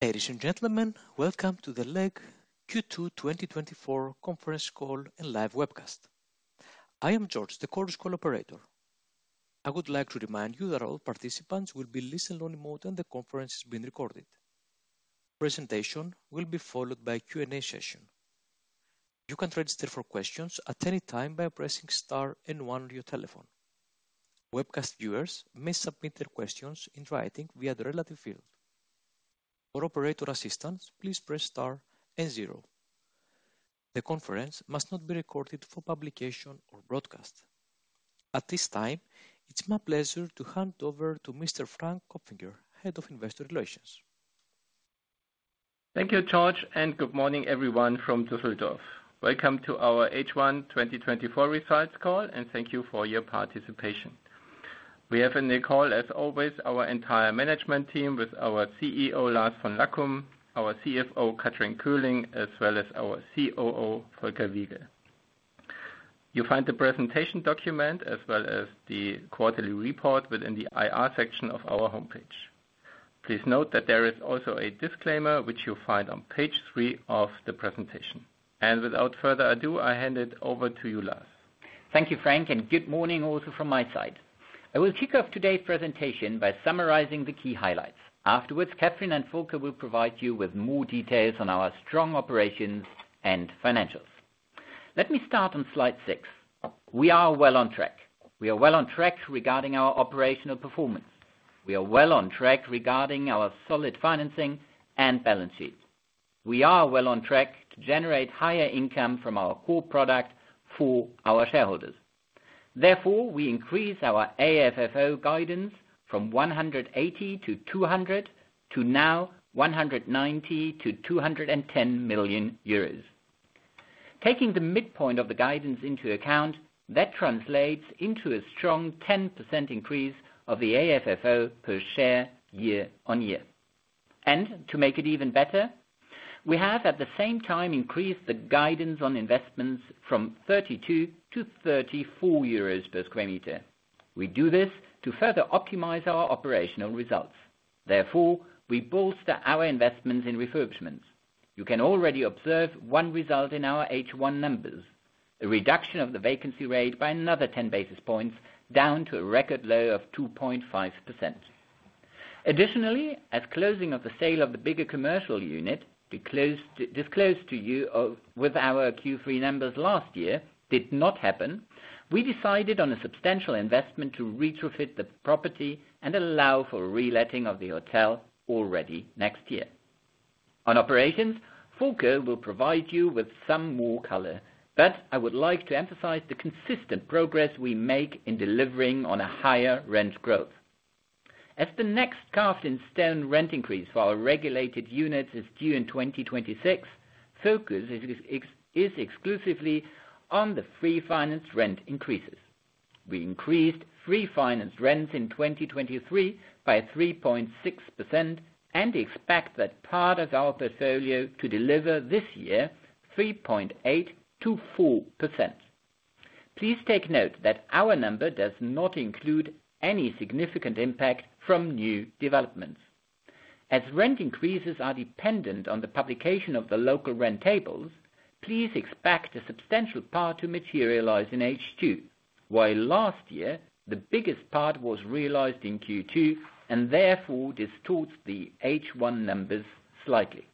Ladies and gentlemen, welcome to the LEG Q2 2024 conference call and live webcast. I am George, the Chorus Call operator. I would like to remind you that all participants will be in listen-only mode, and the conference is being recorded. Presentation will be followed by a Q&A session. You can register for questions at any time by pressing star and one on your telephone. Webcast viewers may submit their questions in writing via the relative field. For operator assistance, please press star and zero. The conference must not be recorded for publication or broadcast. At this time, it's my pleasure to hand over to Mr. Frank Kopfinger, Head of Investor Relations. Thank you, George, and good morning, everyone from Düsseldorf. Welcome to our H1 2024 results call, and thank you for your participation. We have in the call, as always, our entire management team with our CEO, Lars von Lackum, our CFO, Kathrin Köhling, as well as our COO, Volker Wiegel. You'll find the presentation document as well as the quarterly report within the IR section of our homepage. Please note that there is also a disclaimer, which you'll find on page three of the presentation. Without further ado, I hand it over to you, Lars. Thank you, Frank, and good morning also from my side. I will kick off today's presentation by summarizing the key highlights. Afterwards, Kathrin and Volker will provide you with more details on our strong operations and financials. Let me start on slide six. We are well on track. We are well on track regarding our operational performance. We are well on track regarding our solid financing and balance sheet. We are well on track to generate higher income from our core product for our shareholders. Therefore, we increase our AFFO guidance from 100 million-200 million, to now 190 million-210 million euros. Taking the midpoint of the guidance into account, that translates into a strong 10% increase of the AFFO per share year-on-year. To make it even better, we have at the same time increased the guidance on investments from 32 - 34 euros per sq m. We do this to further optimize our operational results. Therefore, we bolster our investments in refurbishments. You can already observe one result in our H1 numbers, a reduction of the vacancy rate by another 10 basis points, down to a record low of 2.5%. Additionally, as closing of the sale of the bigger commercial unit, disclosed to you with our Q3 numbers last year did not happen, we decided on a substantial investment to retrofit the property and allow for reletting of the hotel already next year. On operations, Volker will provide you with some more color, but I would like to emphasize the consistent progress we make in delivering on a higher rent growth. As the next carved in stone rent increase for our regulated units is due in 2026, focus is exclusively on the free finance rent increases. We increased free finance rents in 2023 by 3.6% and expect that part of our portfolio to deliver this year 3.8%-4%. Please take note that our number does not include any significant impact from new developments. As rent increases are dependent on the publication of the local rent tables, please expect a substantial part to materialize in H2, while last year the biggest part was realized in Q2 and therefore distorts the H1 numbers slightly.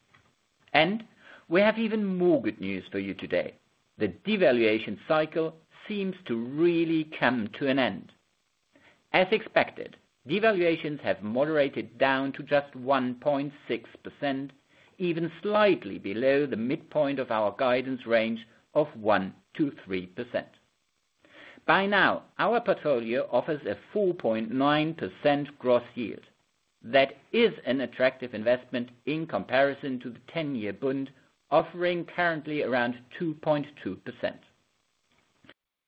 We have even more good news for you today. The devaluation cycle seems to really come to an end. As expected, devaluations have moderated down to just 1.6%, even slightly below the midpoint of our guidance range of 1%-3%. By now, our portfolio offers a 4.9% gross yield. That is an attractive investment in comparison to the 10-year bond, offering currently around 2.2%.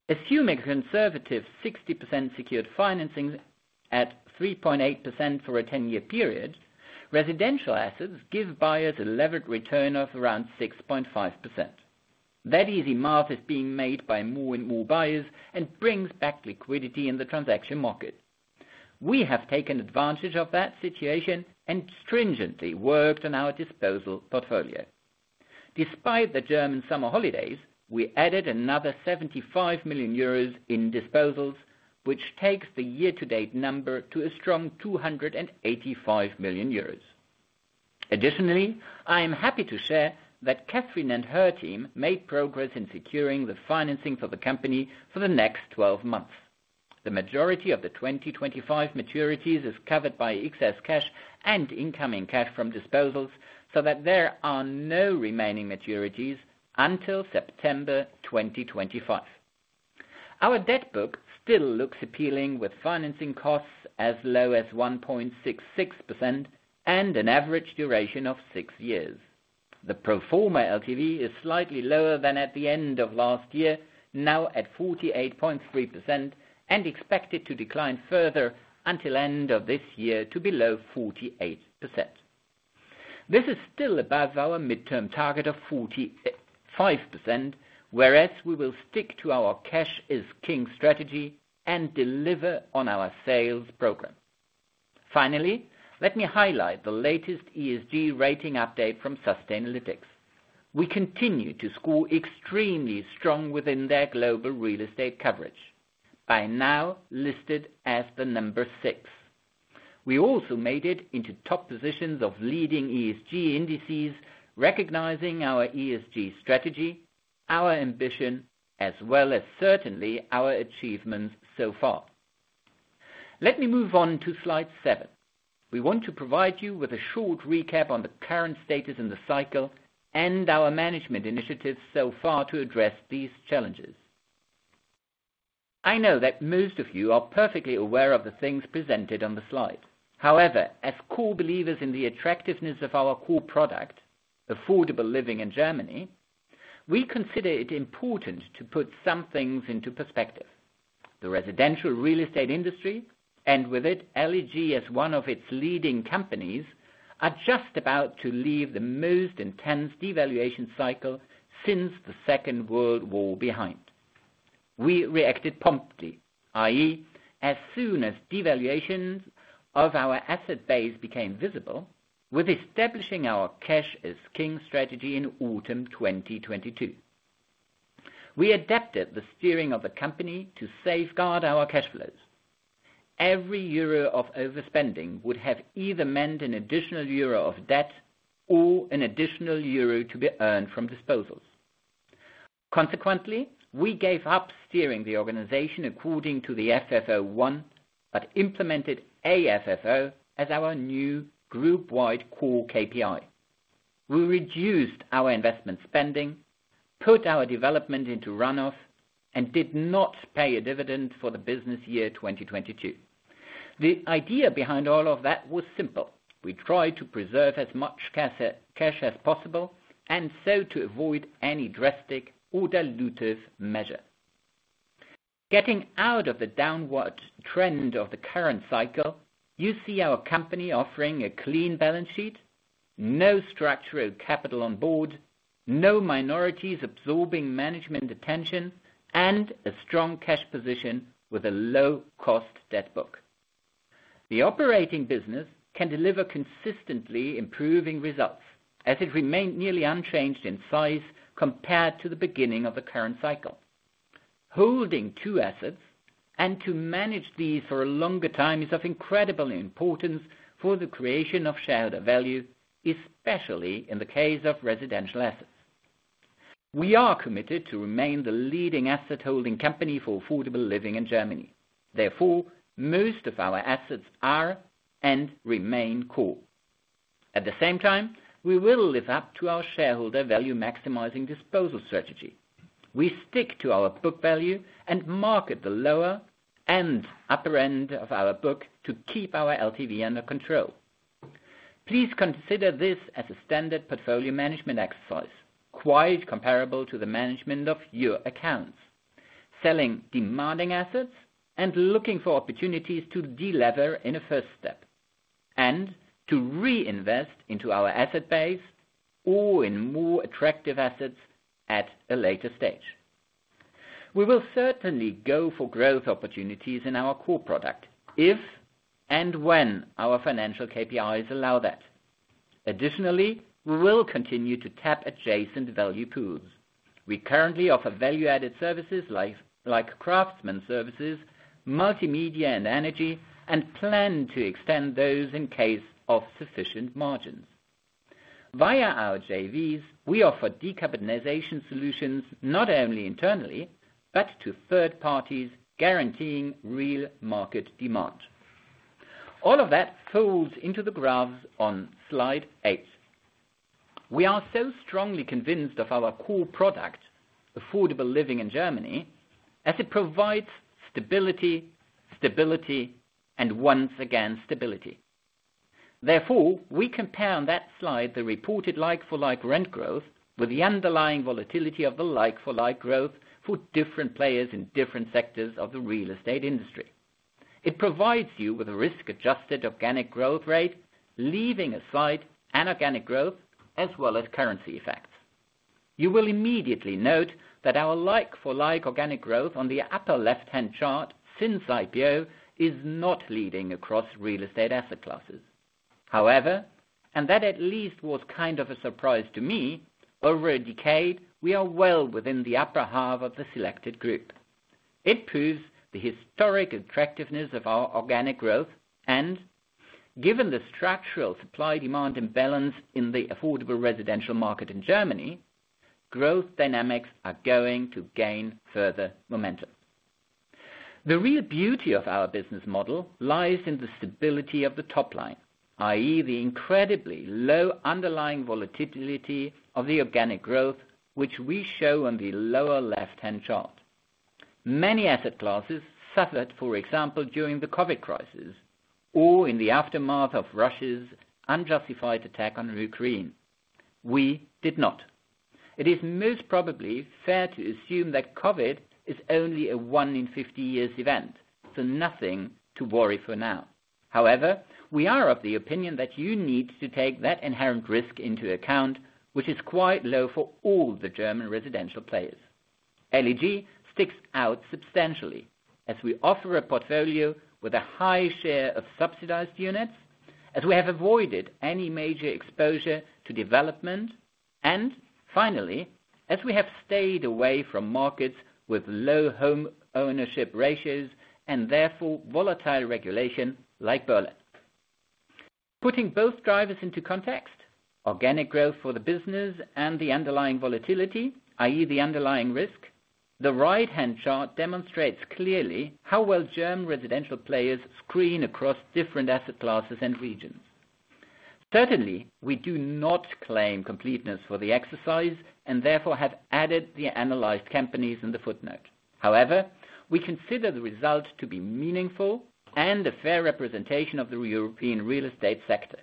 Assuming a conservative 60% secured financing at 3.8% for a 10-year period, residential assets give buyers a levered return of around 6.5%. That easy math is being made by more and more buyers and brings back liquidity in the transaction market. We have taken advantage of that situation and stringently worked on our disposal portfolio. Despite the German summer holidays, we added another 75 million euros in disposals, which takes the year-to-date number to a strong 285 million euros. Additionally, I am happy to share that Kathrin and her team made progress in securing the financing for the company for the next 12 months. The majority of the 2025 maturities is covered by excess cash and incoming cash from disposals, so that there are no remaining maturities until September 2025. Our debt book still looks appealing, with financing costs as low as 1.66% and an average duration of 6 years. The pro forma LTV is slightly lower than at the end of last year, now at 48.3%, and expected to decline further until end of this year to below 48%. This is still above our midterm target of 45%, whereas we will stick to our cash is king strategy and deliver on our sales program. Finally, let me highlight the latest ESG rating update from Sustainalytics. We continue to score extremely strong within their global real estate coverage, by now listed as the number 6. We also made it into top positions of leading ESG indices, recognizing our ESG strategy, our ambition, as well as certainly our achievements so far. Let me move on to slide seven. We want to provide you with a short recap on the current status in the cycle and our management initiatives so far to address these challenges. I know that most of you are perfectly aware of the things presented on the slide. However, as core believers in the attractiveness of our core product, affordable living in Germany, we consider it important to put some things into perspective. The residential real estate industry, and with it, LEG as one of its leading companies, are just about to leave the most intense devaluation cycle since the Second World War behind. We reacted promptly, i.e., as soon as devaluations of our asset base became visible, with establishing our cash is king strategy in autumn 2022. We adapted the steering of the company to safeguard our cash flows. Every euro of overspending would have either meant an additional euro of debt or an additional euro to be earned from disposals. Consequently, we gave up steering the organization according to the FFO 1, but implemented AFFO as our new group-wide core KPI. We reduced our investment spending, put our development into runoff, and did not pay a dividend for the business year 2022. The idea behind all of that was simple: we tried to preserve as much cash as possible, and so to avoid any drastic or dilutive measure. Getting out of the downward trend of the current cycle, you see our company offering a clean balance sheet, no structural capital on board, no minorities absorbing management attention, and a strong cash position with a low-cost debt book. The operating business can deliver consistently improving results, as it remained nearly unchanged in size compared to the beginning of the current cycle. Holding two assets and to manage these for a longer time is of incredible importance for the creation of shareholder value, especially in the case of residential assets. We are committed to remain the leading asset-holding company for affordable living in Germany. Therefore, most of our assets are and remain core. At the same time, we will live up to our shareholder value-maximizing disposal strategy. We stick to our book value and market the lower and upper end of our book to keep our LTV under control. Please consider this as a standard portfolio management exercise, quite comparable to the management of your accounts: selling demanding assets and looking for opportunities to delever in a first step, and to reinvest into our asset base or in more attractive assets at a later stage. We will certainly go for growth opportunities in our core product, if and when our financial KPIs allow that. Additionally, we will continue to tap adjacent value pools. We currently offer value-added services, like, like craftsman services, multimedia and energy, and plan to extend those in case of sufficient margins. Via our JVs, we offer decarbonization solutions, not only internally, but to third parties, guaranteeing real market demand. All of that folds into the graphs on slide eight. We are so strongly convinced of our core product, affordable living in Germany, as it provides stability, stability, and once again, stability. Therefore, we compare on that slide the reported like-for-like rent growth with the underlying volatility of the like-for-like growth for different players in different sectors of the real estate industry. It provides you with a risk-adjusted organic growth rate, leaving aside inorganic growth as well as currency effects. You will immediately note that our like-for-like organic growth on the upper left-hand chart since IPO is not leading across real estate asset classes. However, and that at least was kind of a surprise to me, over a decade, we are well within the upper half of the selected group. It proves the historic attractiveness of our organic growth, and given the structural supply-demand imbalance in the affordable residential market in Germany, growth dynamics are going to gain further momentum. The real beauty of our business model lies in the stability of the top line, i.e., the incredibly low underlying volatility of the organic growth, which we show on the lower left-hand chart. Many asset classes suffered, for example, during the COVID crisis or in the aftermath of Russia's unjustified attack on Ukraine. We did not. It is most probably fair to assume that COVID is only a one in 50 years event, so nothing to worry for now. However, we are of the opinion that you need to take that inherent risk into account, which is quite low for all the German residential players. LEG sticks out substantially, as we offer a portfolio with a high share of subsidized units, as we have avoided any major exposure to development, and finally, as we have stayed away from markets with low home ownership ratios, and therefore, volatile regulation like Berlin. Putting both drivers into context, organic growth for the business and the underlying volatility, i.e., the underlying risk, the right-hand chart demonstrates clearly how well German residential players screen across different asset classes and regions. Certainly, we do not claim completeness for the exercise, and therefore, have added the analyzed companies in the footnote. However, we consider the results to be meaningful and a fair representation of the European real estate sector.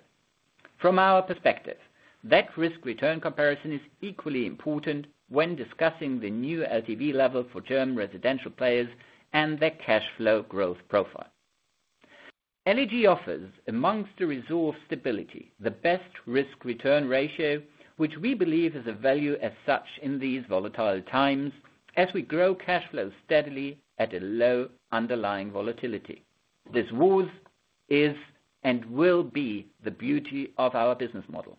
From our perspective, that risk-return comparison is equally important when discussing the new LTV level for German residential players and their cash flow growth profile. LEG offers, amongst the resource stability, the best risk-return ratio, which we believe is a value as such in these volatile times, as we grow cash flow steadily at a low underlying volatility. This was, is, and will be the beauty of our business model.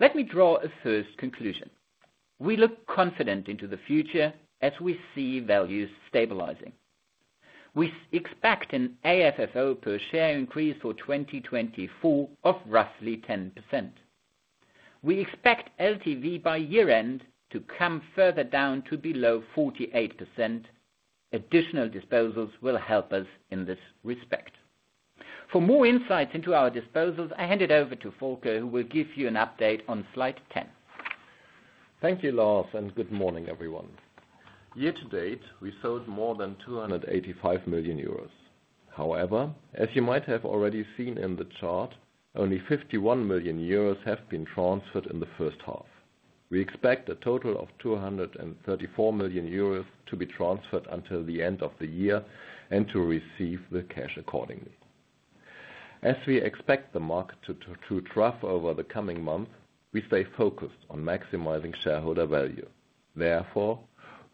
Let me draw a first conclusion: We look confident into the future as we see values stabilizing. We expect an AFFO per share increase for 2024 of roughly 10%. We expect LTV by year-end to come further down to below 48%. Additional disposals will help us in this respect. For more insights into our disposals, I hand it over to Volker, who will give you an update on slide 10. Thank you, Lars, and good morning, everyone. Year to date, we sold more than 285 million euros. However, as you might have already seen in the chart, only 51 million euros have been transferred in the first half. We expect a total of 234 million euros to be transferred until the end of the year and to receive the cash accordingly. As we expect the market to trough over the coming months, we stay focused on maximizing shareholder value. Therefore,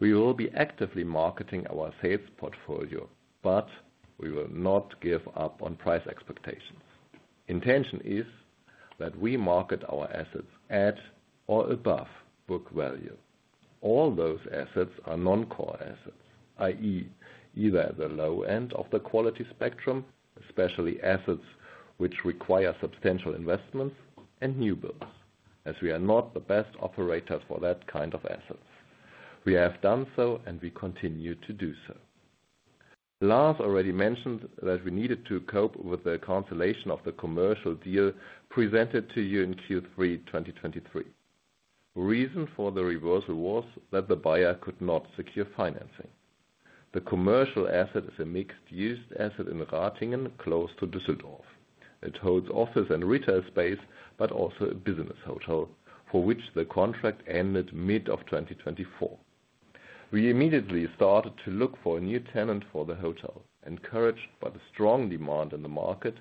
we will be actively marketing our sales portfolio, but we will not give up on price expectations. Intention is that we market our assets at or above book value. All those assets are non-core assets, i.e., either at the low end of the quality spectrum, especially assets which require substantial investments and new builds, as we are not the best operator for that kind of assets. We have done so, and we continue to do so. Lars already mentioned that we needed to cope with the cancellation of the commercial deal presented to you in Q3 2023. Reason for the reversal was that the buyer could not secure financing. The commercial asset is a mixed-use asset in Ratingen, close to Düsseldorf. It holds offices and retail space, but also a business hotel, for which the contract ended mid of 2024. We immediately started to look for a new tenant for the hotel. Encouraged by the strong demand in the market,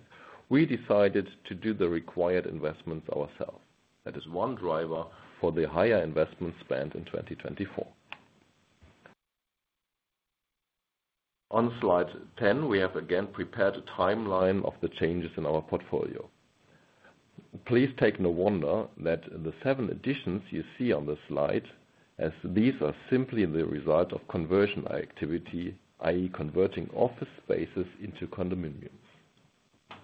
we decided to do the required investments ourselves. That is one driver for the higher investment spend in 2024. On slide 10, we have again prepared a timeline of the changes in our portfolio. Please take no wonder that in the 7 additions you see on the slide, as these are simply the result of conversion activity, i.e., converting office spaces into condominiums.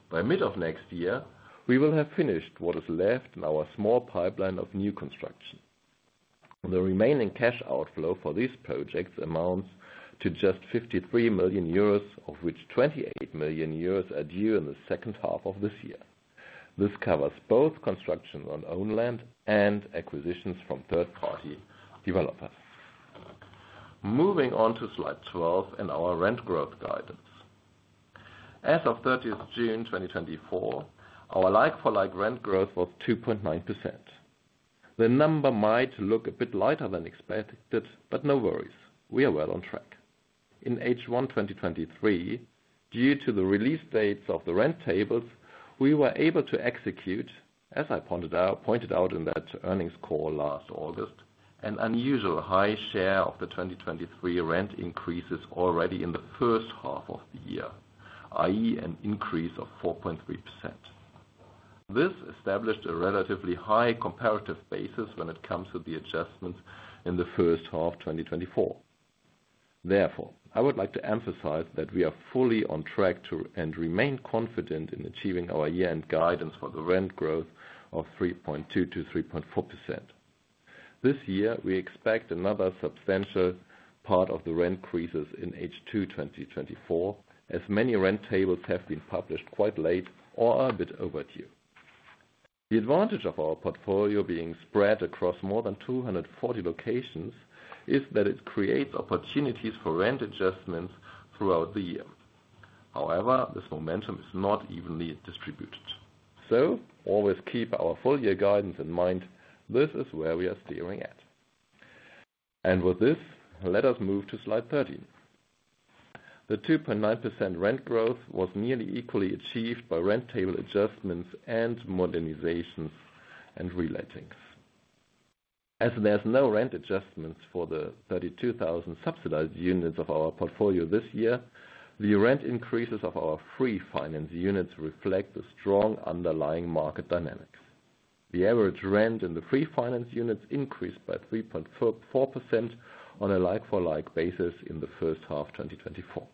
By mid of next year, we will have finished what is left in our small pipeline of new construction. The remaining cash outflow for these projects amounts to just 53 million euros, of which 28 million euros are due in the second half of this year. This covers both construction on own land and acquisitions from third-party developers. Moving on to slide 12 and our rent growth guidance. As of 30th June 2024, our like-for-like rent growth was 2.9%. The number might look a bit lighter than expected, but no worries, we are well on track. In H1 2023, due to the release dates of the rent tables, we were able to execute, as I pointed out, pointed out in that earnings call last August, an unusual high share of the 2023 rent increases already in the first half of the year, i.e., an increase of 4.3%. This established a relatively high comparative basis when it comes to the adjustments in the first half 2024. Therefore, I would like to emphasize that we are fully on track to, and remain confident in achieving our year-end guidance for the rent growth of 3.2%-3.4%. This year, we expect another substantial part of the rent increases in H2 2024, as many rent tables have been published quite late or are a bit overdue. The advantage of our portfolio being spread across more than 240 locations, is that it creates opportunities for rent adjustments throughout the year. However, this momentum is not evenly distributed. So always keep our full year guidance in mind. This is where we are steering at. With this, let us move to slide 13. The 2.9% rent growth was nearly equally achieved by rent table adjustments and modernizations and relettings. As there's no rent adjustments for the 32,000 subsidized units of our portfolio this year, the rent increases of our free finance units reflect the strong underlying market dynamics. The average rent in the free finance units increased by 3.44% on a like-for-like basis in the first half, 2024.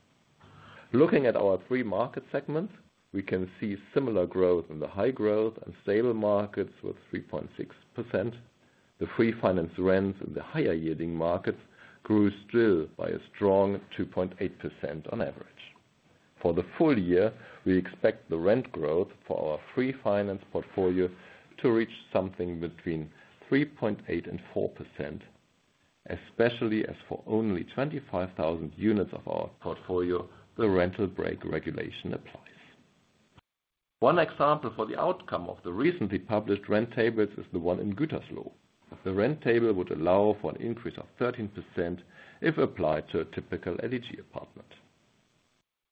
Looking at our free market segments, we can see similar growth in the high growth and stable markets with 3.6%. The free finance rents in the higher yielding markets grew still by a strong 2.8% on average. For the full year, we expect the rent growth for our free finance portfolio to reach something between 3.8% and 4%, especially as for only 25,000 units of our portfolio, the rental brake regulation applies. One example for the outcome of the recently published rent tables is the one in Gütersloh. The rent table would allow for an increase of 13% if applied to a typical LEG apartment.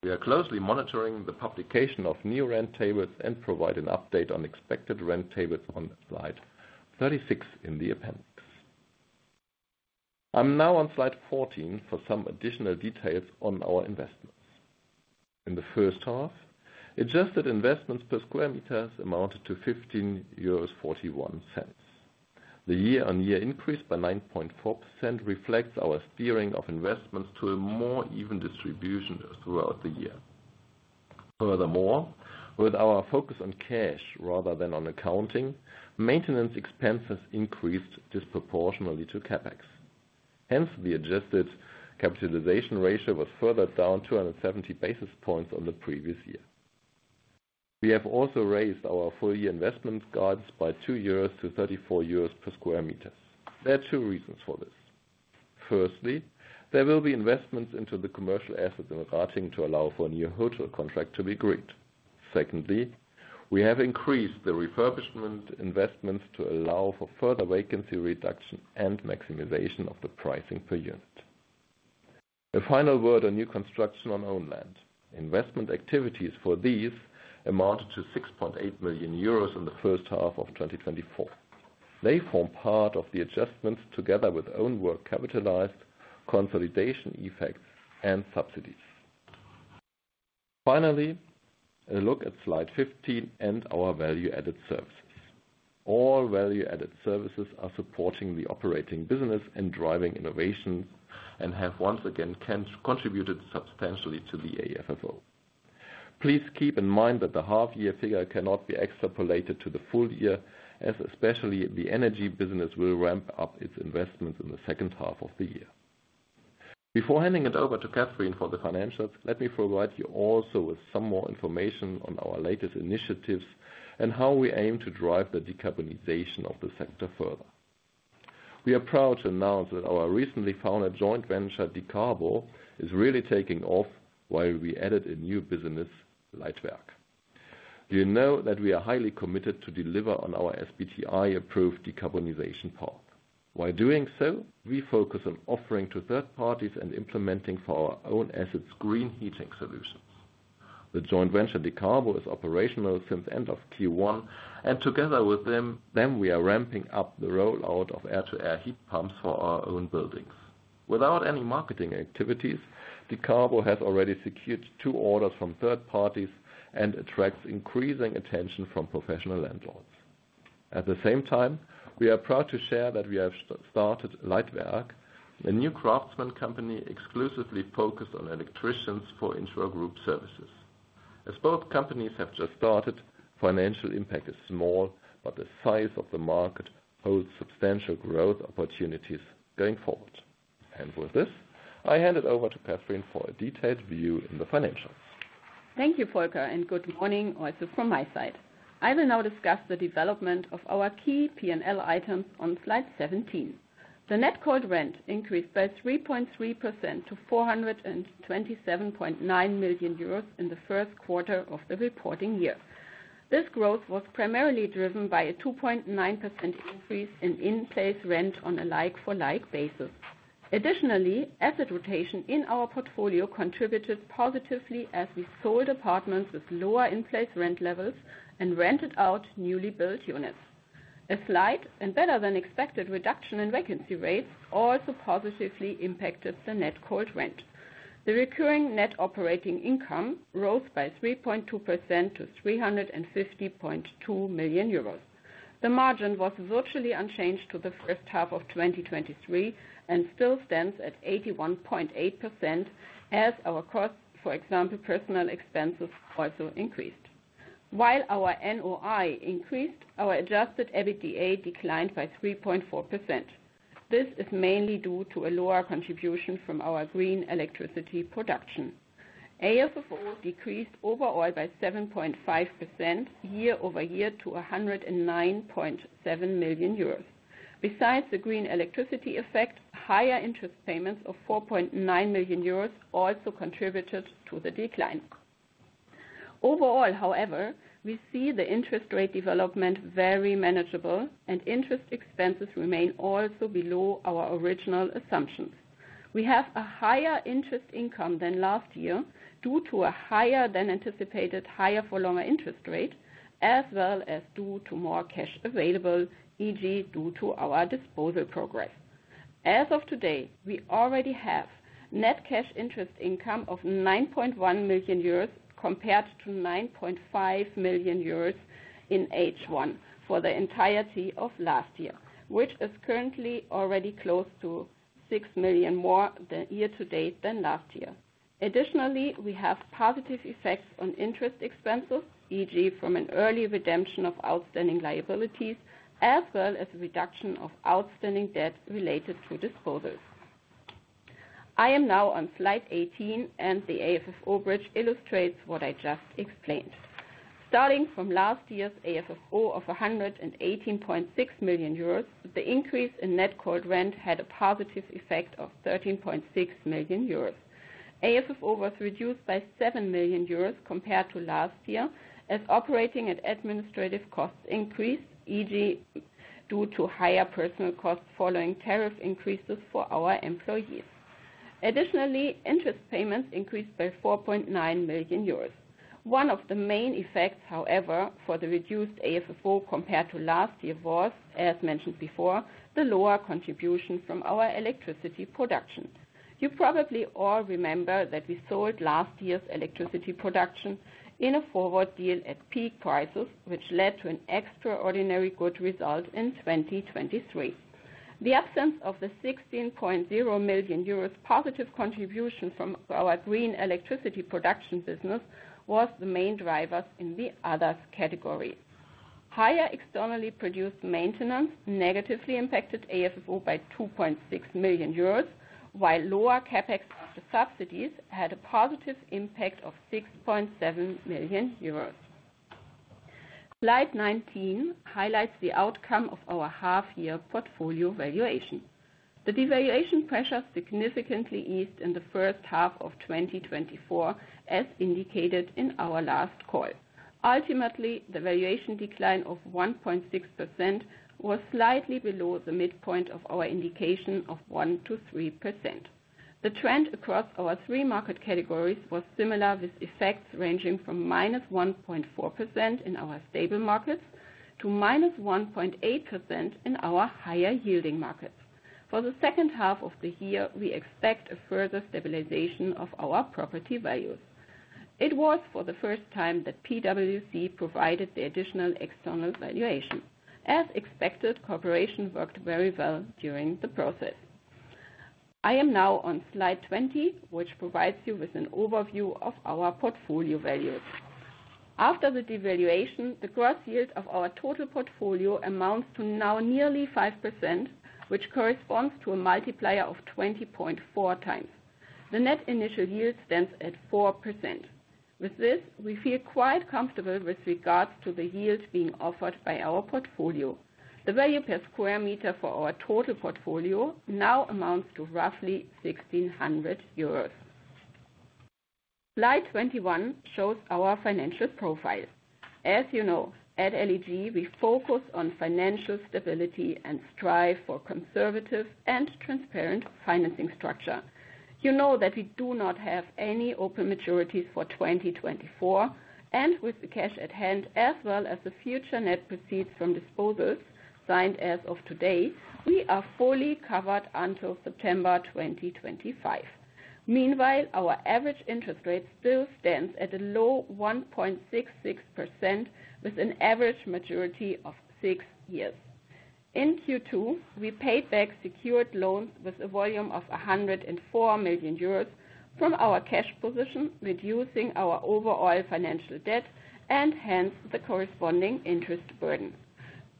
We are closely monitoring the publication of new rent tables and provide an update on expected rent tables on slide 36 in the appendix. I'm now on slide 14 for some additional details on our investments. In the first half, adjusted investments per square meters amounted to 15.41 euros. The year-on-year increase by 9.4% reflects our steering of investments to a more even distribution throughout the year. Furthermore, with our focus on cash rather than on accounting, maintenance expenses increased disproportionately to CapEx. Hence, the adjusted capitalization ratio was further down 270 basis points on the previous year. We have also raised our full-year investment guides by 2 euros - 34 euros per sq m. There are two reasons for this. Firstly, there will be investments into the commercial assets in Ratingen to allow for a new hotel contract to be agreed. Secondly, we have increased the refurbishment investments to allow for further vacancy reduction and maximization of the pricing per unit. A final word on new construction on own land. Investment activities for these amounted to 6.8 million euros in the first half of 2024. They form part of the adjustments, together with own work, capitalized consolidation effects, and subsidies. Finally, a look at slide 15 and our value-added services. All value-added services are supporting the operating business and driving innovation, and have once again contributed substantially to the AFFO. Please keep in mind that the half year figure cannot be extrapolated to the full year, as especially the energy business will ramp up its investments in the second half of the year. Before handing it over to Kathrin for the financials, let me provide you also with some more information on our latest initiatives and how we aim to drive the decarbonization of the sector further. We are proud to announce that our recently founded joint venture, Dekarbo, is really taking off while we added a new business, Lichtwerk. You know that we are highly committed to deliver on our SBTi approved decarbonization path. While doing so, we focus on offering to third parties and implementing for our own assets' green heating solutions. The joint venture, Dekarbo, is operational since end of Q1, and together with them, we are ramping up the rollout of air-to-air heat pumps for our own buildings. Without any marketing activities, Dekarbo has already secured two orders from third parties and attracts increasing attention from professional landlords. At the same time, we are proud to share that we have started Lichtwerk, a new craftsman company exclusively focused on electricians for intra-group services. As both companies have just started, financial impact is small, but the size of the market holds substantial growth opportunities going forward. And with this, I hand it over to Kathrin Köhling for a detailed view in the financials. Thank you, Volker, and good morning also from my side. I will now discuss the development of our key P&L items on slide 17. The net cold rent increased by 3.3% to 427.9 million euros in the first quarter of the reporting year. This growth was primarily driven by a 2.9% increase in in-place rent on a like-for-like basis. Additionally, asset rotation in our portfolio contributed positively as we sold apartments with lower in-place rent levels and rented out newly built units. A slight and better-than-expected reduction in vacancy rates also positively impacted the net cold rent. The recurring net operating income rose by 3.2% to 350.2 million euros. The margin was virtually unchanged to the first half of 2023 and still stands at 81.8%, as our costs, for example, personnel expenses, also increased. While our NOI increased, our adjusted EBITDA declined by 3.4%. This is mainly due to a lower contribution from our green electricity production. AFFO decreased overall by 7.5% year-over-year to 109.7 million euros. Besides the green electricity effect, higher interest payments of 4.9 million euros also contributed to the decline. Overall, however, we see the interest rate development very manageable, and interest expenses remain also below our original assumptions. We have a higher interest income than last year, due to a higher than anticipated, higher for longer interest rate, as well as due to more cash available, e.g., due to our disposal progress. As of today, we already have net cash interest income of 9.1 million euros, compared to 9.5 million euros in H1 for the entirety of last year, which is currently already close to 6 million more than year to date than last year. Additionally, we have positive effects on interest expenses, e.g., from an early redemption of outstanding liabilities, as well as a reduction of outstanding debt related to disposals. I am now on slide 18, and the AFFO bridge illustrates what I just explained. Starting from last year's AFFO of 118.6 million euros, the increase in net cold rent had a positive effect of 13.6 million euros. AFFO was reduced by 7 million euros compared to last year, as operating and administrative costs increased, e.g., due to higher personal costs following tariff increases for our employees. Additionally, interest payments increased by 4.9 million euros. One of the main effects, however, for the reduced AFFO compared to last year was, as mentioned before, the lower contribution from our electricity production. You probably all remember that we sold last year's electricity production in a forward deal at peak prices, which led to an extraordinary good result in 2023. The absence of the 16.0 million euros positive contribution from our green electricity production business was the main driver in the others category. Higher externally produced maintenance negatively impacted AFFO by 2.6 million euros, while lower CapEx after subsidies had a positive impact of 6.7 million euros. Slide 19 highlights the outcome of our half-year portfolio valuation. The devaluation pressure significantly eased in the first half of 2024, as indicated in our last call. Ultimately, the valuation decline of 1.6% was slightly below the midpoint of our indication of 1%-3%. The trend across our three market categories was similar, with effects ranging from -1.4% in our stable markets to -1.8% in our higher-yielding markets. For the second half of the year, we expect a further stabilization of our property values. It was for the first time that PwC provided the additional external valuation. As expected, cooperation worked very well during the process. I am now on slide 20, which provides you with an overview of our portfolio values. After the devaluation, the gross yield of our total portfolio amounts to now nearly 5%, which corresponds to a multiplier of 20.4x. The net initial yield stands at 4%. With this, we feel quite comfortable with regards to the yields being offered by our portfolio. The value per sq m for our total portfolio now amounts to roughly 1,600 euros. Slide 21 shows our financial profile. As you know, at LEG, we focus on financial stability and strive for conservative and transparent financing structure. You know that we do not have any open maturities for 2024, and with the cash at hand, as well as the future net proceeds from disposals signed as of today, we are fully covered until September 2025. Meanwhile, our average interest rate still stands at a low 1.66%, with an average maturity of six years. In Q2, we paid back secured loans with a volume of 104 million euros from our cash position, reducing our overall financial debt and hence the corresponding interest burden.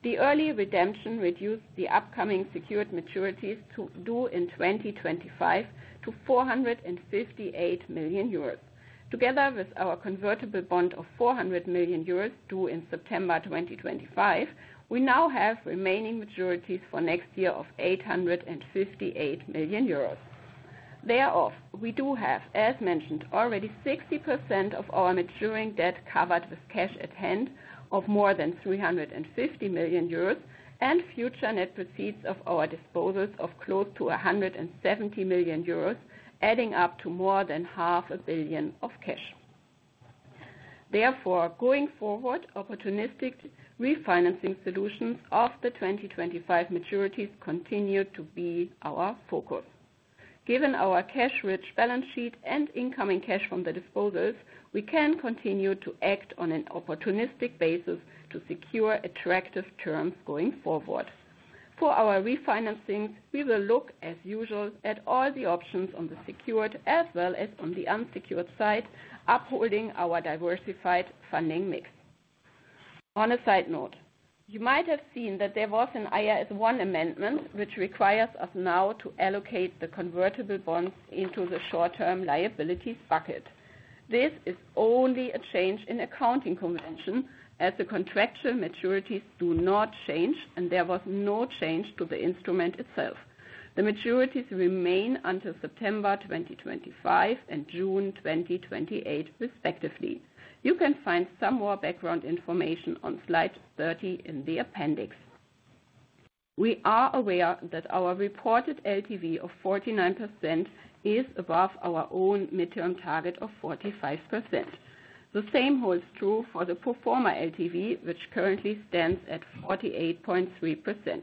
The early redemption reduced the upcoming secured maturities to due in 2025 to 458 million euros. Together with our convertible bond of 400 million euros, due in September 2025, we now have remaining maturities for next year of 858 million euros. Thereof, we do have, as mentioned, already 60% of our maturing debt covered with cash at hand of more than 350 million euros, and future net proceeds of our disposals of close to 170 million euros, adding up to more than 500 million of cash. Therefore, going forward, opportunistic refinancing solutions of the 2025 maturities continue to be our focus. Given our cash-rich balance sheet and incoming cash from the disposals, we can continue to act on an opportunistic basis to secure attractive terms going forward. For our refinancing, we will look as usual at all the options on the secured as well as on the unsecured side, upholding our diversified funding mix. On a side note, you might have seen that there was an IAS 1 amendment, which requires us now to allocate the convertible bonds into the short-term liabilities bucket. This is only a change in accounting convention, as the contractual maturities do not change and there was no change to the instrument itself. The maturities remain until September 2025 and June 2028 respectively. You can find some more background information on slide 30 in the appendix. We are aware that our reported LTV of 49% is above our own midterm target of 45%. The same holds true for the pro forma LTV, which currently stands at 48.3%.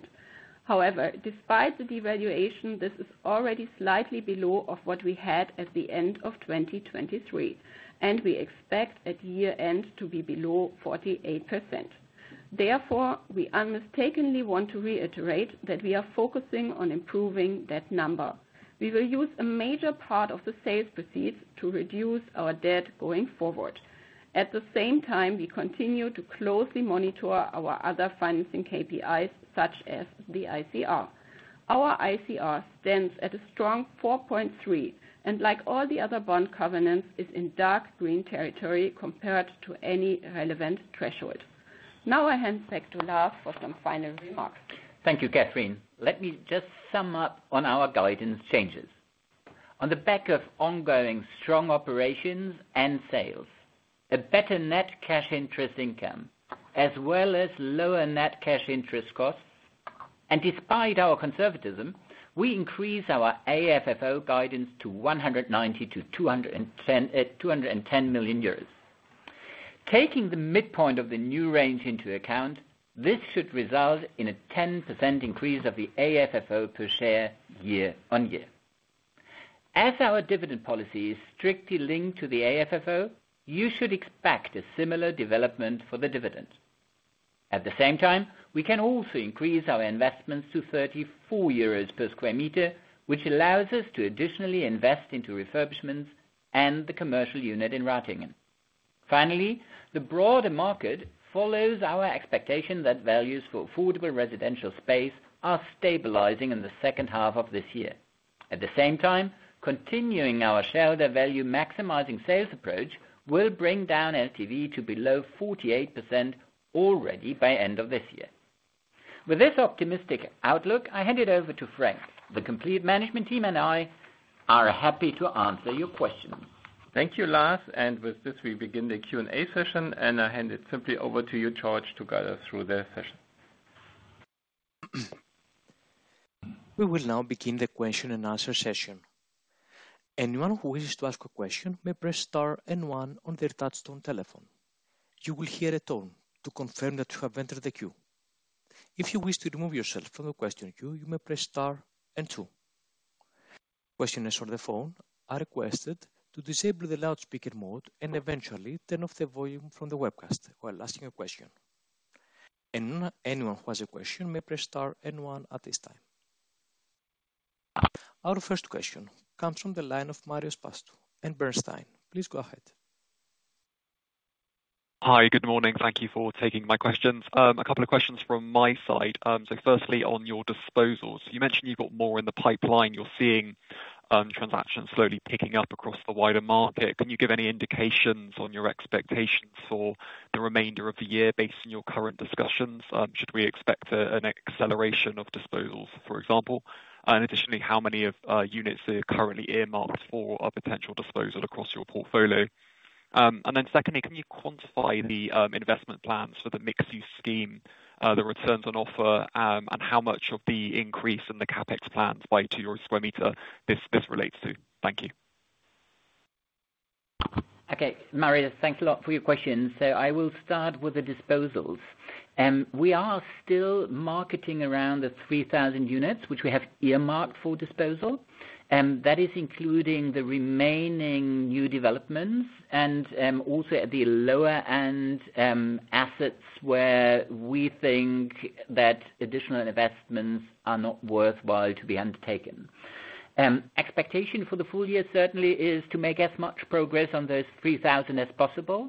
However, despite the devaluation, this is already slightly below what we had at the end of 2023, and we expect at year-end to be below 48%. Therefore, we unmistakably want to reiterate that we are focusing on improving that number. We will use a major part of the sales proceeds to reduce our debt going forward. At the same time, we continue to closely monitor our other financing KPIs, such as the ICR. Our ICR stands at a strong 4.3, and like all the other bond covenants, is in dark green territory compared to any relevant threshold. Now I hand back to Lars for some final remarks. Thank you, Kathrin. Let me just sum up on our guidance changes. On the back of ongoing strong operations and sales, a better net cash interest income, as well as lower net cash interest costs, and despite our conservatism, we increase our AFFO guidance to 190 million-210 million euros. Taking the midpoint of the new range into account, this should result in a 10% increase of the AFFO per share year-over-year. As our dividend policy is strictly linked to the AFFO, you should expect a similar development for the dividend. At the same time, we can also increase our investments to 34 euros per sq m, which allows us to additionally invest into refurbishments and the commercial unit in Ratingen. Finally, the broader market follows our expectation that values for affordable residential space are stabilizing in the second half of this year. At the same time, continuing our shareholder value, maximizing sales approach will bring down LTV to below 48% already by end of this year. With this optimistic outlook, I hand it over to Frank. The complete management team and I are happy to answer your questions. Thank you, Lars. With this, we begin the Q&A session, and I hand it simply over to you, George, to guide us through the session. We will now begin the question and answer session. Anyone who wishes to ask a question may press star and one on their touchtone telephone. You will hear a tone to confirm that you have entered the queue. If you wish to remove yourself from the question queue, you may press star and two. Questioners on the phone are requested to disable the loudspeaker mode and eventually turn off the volume from the webcast while asking a question. Anyone who has a question may press star and one at this time. Our first question comes from the line of Marius [Pasch] in Bernstein. Please go ahead. Hi, good morning. Thank you for taking my questions. A couple of questions from my side. So firstly, on your disposals, you mentioned you've got more in the pipeline. You're seeing, transactions slowly picking up across the wider market. Can you give any indications on your expectations for the remainder of the year based on your current discussions? Should we expect an acceleration of disposals, for example? And additionally, how many units are currently earmarked for a potential disposal across your portfolio? And then secondly, can you quantify the investment plans for the mixed-use scheme, the returns on offer, and how much of the increase in the CapEx plans by 2 euros per sq m this, this relates to? Thank you. Okay, Marius, thanks a lot for your questions. I will start with the disposals. We are still marketing around the 3,000 units, which we have earmarked for disposal, that is including the remaining new developments and, also at the lower end, assets where we think that additional investments are not worthwhile to be undertaken. Expectation for the full year certainly is to make as much progress on those 3,000 as possible.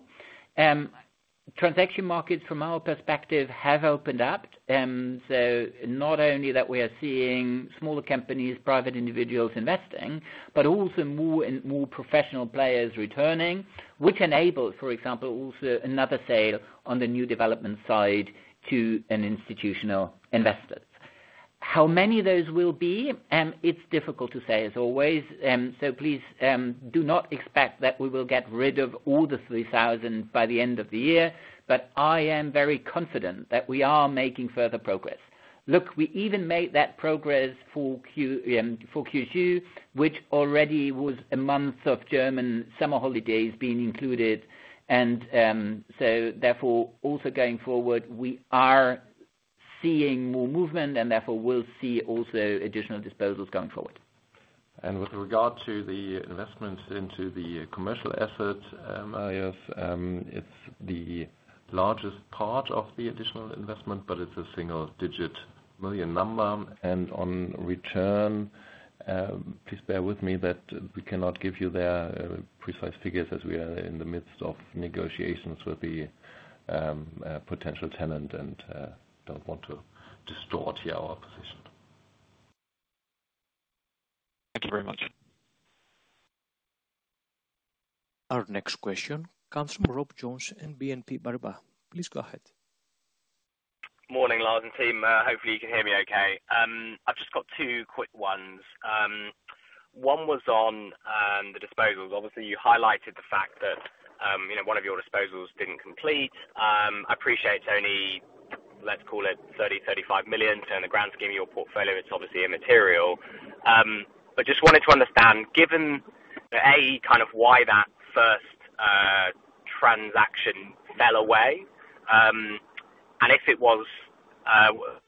Transaction markets, from our perspective, have opened up. So not only that we are seeing smaller companies, private individuals investing, but also more and more professional players returning, which enables, for example, also another sale on the new development side to an institutional investor. How many of those will be? It's difficult to say, as always. So please, do not expect that we will get rid of all the 3,000 by the end of the year, but I am very confident that we are making further progress. Look, we even made that progress for Q, for Q2, which already was a month of German summer holidays being included. And, so therefore, also going forward, we are seeing more movement and therefore will see also additional disposals going forward. And with regard to the investments into the commercial assets, it's the largest part of the additional investment, but it's a single-digit million EUR number. And on return, please bear with me that we cannot give you the precise figures as we are in the midst of negotiations with the potential tenant and don't want to distort here our position. Thank you very much. Our next question comes from Rob Jones in BNP Paribas. Please go ahead. Morning, Lars, and team. Hopefully, you can hear me okay. I've just got two quick ones. One was on the disposals. Obviously, you highlighted the fact that, you know, one of your disposals didn't complete. I appreciate it's only, let's call it 30 million-35 million. So in the grand scheme of your portfolio, it's obviously immaterial. But just wanted to understand, given that, A, kind of why that first transaction fell away, and if it was, I don't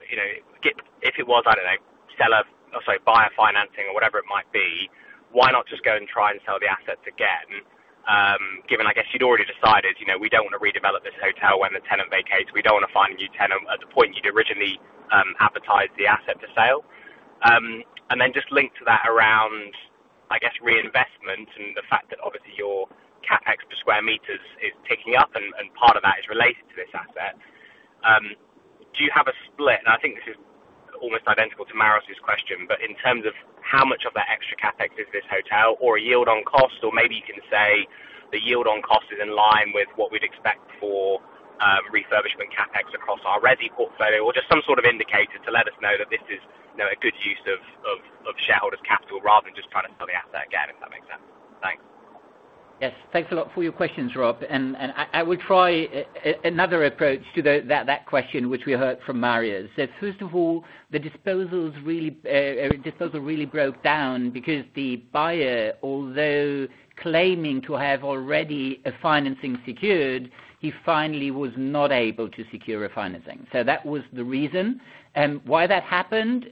know, seller or, sorry, buyer financing or whatever it might be, why not just go and try and sell the assets again? Given, I guess, you'd already decided, you know, we don't want to redevelop this hotel when the tenant vacates. We don't want to find a new tenant at the point you'd originally advertise the asset for sale. And then just linked to that around, I guess, reinvestment and the fact that obviously your CapEx per square meters is ticking up and, and part of that is related to this asset. Do you have a split? And I think this is almost identical to Marius's question, but in terms of how much of that extra CapEx is this hotel or a yield on cost, or maybe you can say the yield on cost is in line with what we'd expect for, refurbishment CapEx across our resi portfolio, or just some sort of indicator to let us know that this is, you know, a good use of, of, of shareholders' capital rather than just trying to sell the asset again, if that makes sense. Thanks. Yes, thanks a lot for your questions, Rob, and I will try another approach to that question, which we heard from Marius. So first of all, the disposals really, disposal really broke down because the buyer, although claiming to have already a financing secured, he finally was not able to secure a financing. So that was the reason. And why that happened,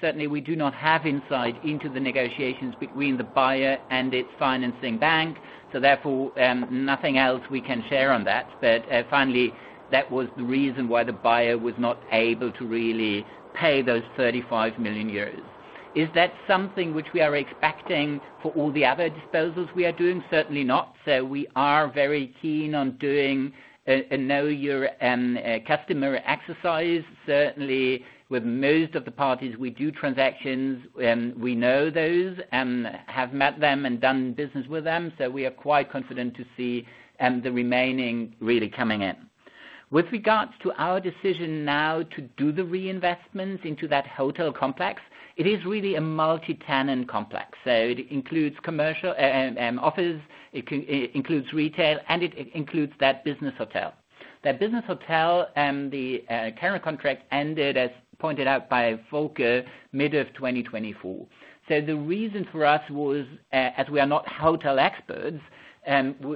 certainly we do not have insight into the negotiations between the buyer and its financing bank, so therefore, nothing else we can share on that. But, finally, that was the reason why the buyer was not able to really pay those 35 million euros. Is that something which we are expecting for all the other disposals we are doing? Certainly not. So we are very keen on doing a know your customer exercise. Certainly, with most of the parties we do transactions, we know those, have met them and done business with them, so we are quite confident to see the remaining really coming in. With regards to our decision now to do the reinvestment into that hotel complex, it is really a multi-tenant complex. So it includes commercial and office, it includes retail, and it includes that business hotel. That business hotel, the current contract ended, as pointed out by Volker, mid-2024. So the reason for us was, as we are not hotel experts,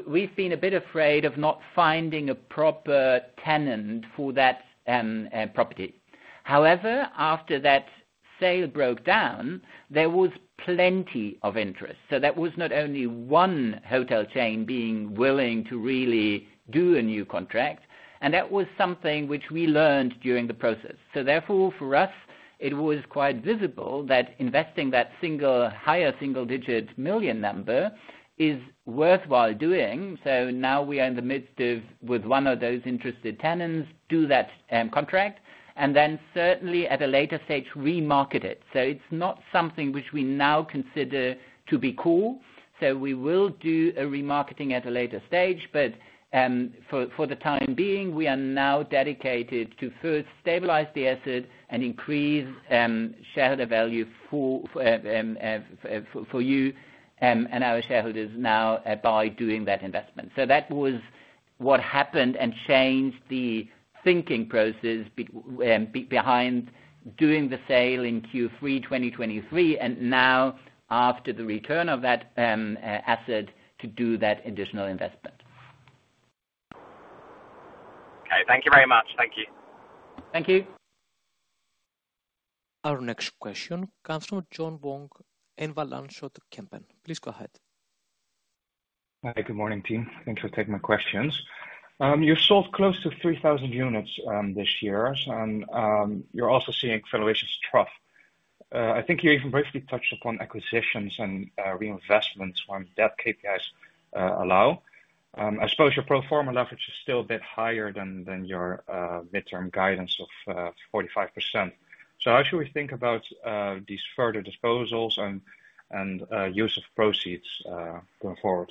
we've been a bit afraid of not finding a proper tenant for that property. However, after that sale broke down, there was plenty of interest, so that was not only one hotel chain being willing to really do a new contract, and that was something which we learned during the process. So therefore, for us, it was quite visible that investing that higher single-digit million number is worthwhile doing. So now we are in the midst of, with one of those interested tenants, do that contract, and then certainly at a later stage, remarket it. So it's not something which we now consider to be cool. So we will do a remarketing at a later stage, but for the time being, we are now dedicated to first stabilize the asset and increase shareholder value for you and our shareholders now by doing that investment. So that was what happened and changed the thinking process behind doing the sale in Q3 2023, and now after the return of that asset, to do that additional investment. Okay. Thank you very much. Thank you. Thank you. Our next question comes from John Vuong in Van Lanschot Kempen. Please go ahead. Hi, good morning, team. Thanks for taking my questions. You sold close to 3,000 units this year, and you're also seeing federation's trough. I think you even briefly touched upon acquisitions and reinvestments when debt KPIs allow. I suppose your pro forma leverage is still a bit higher than your midterm guidance of 45%. So how should we think about these further disposals and use of proceeds going forward?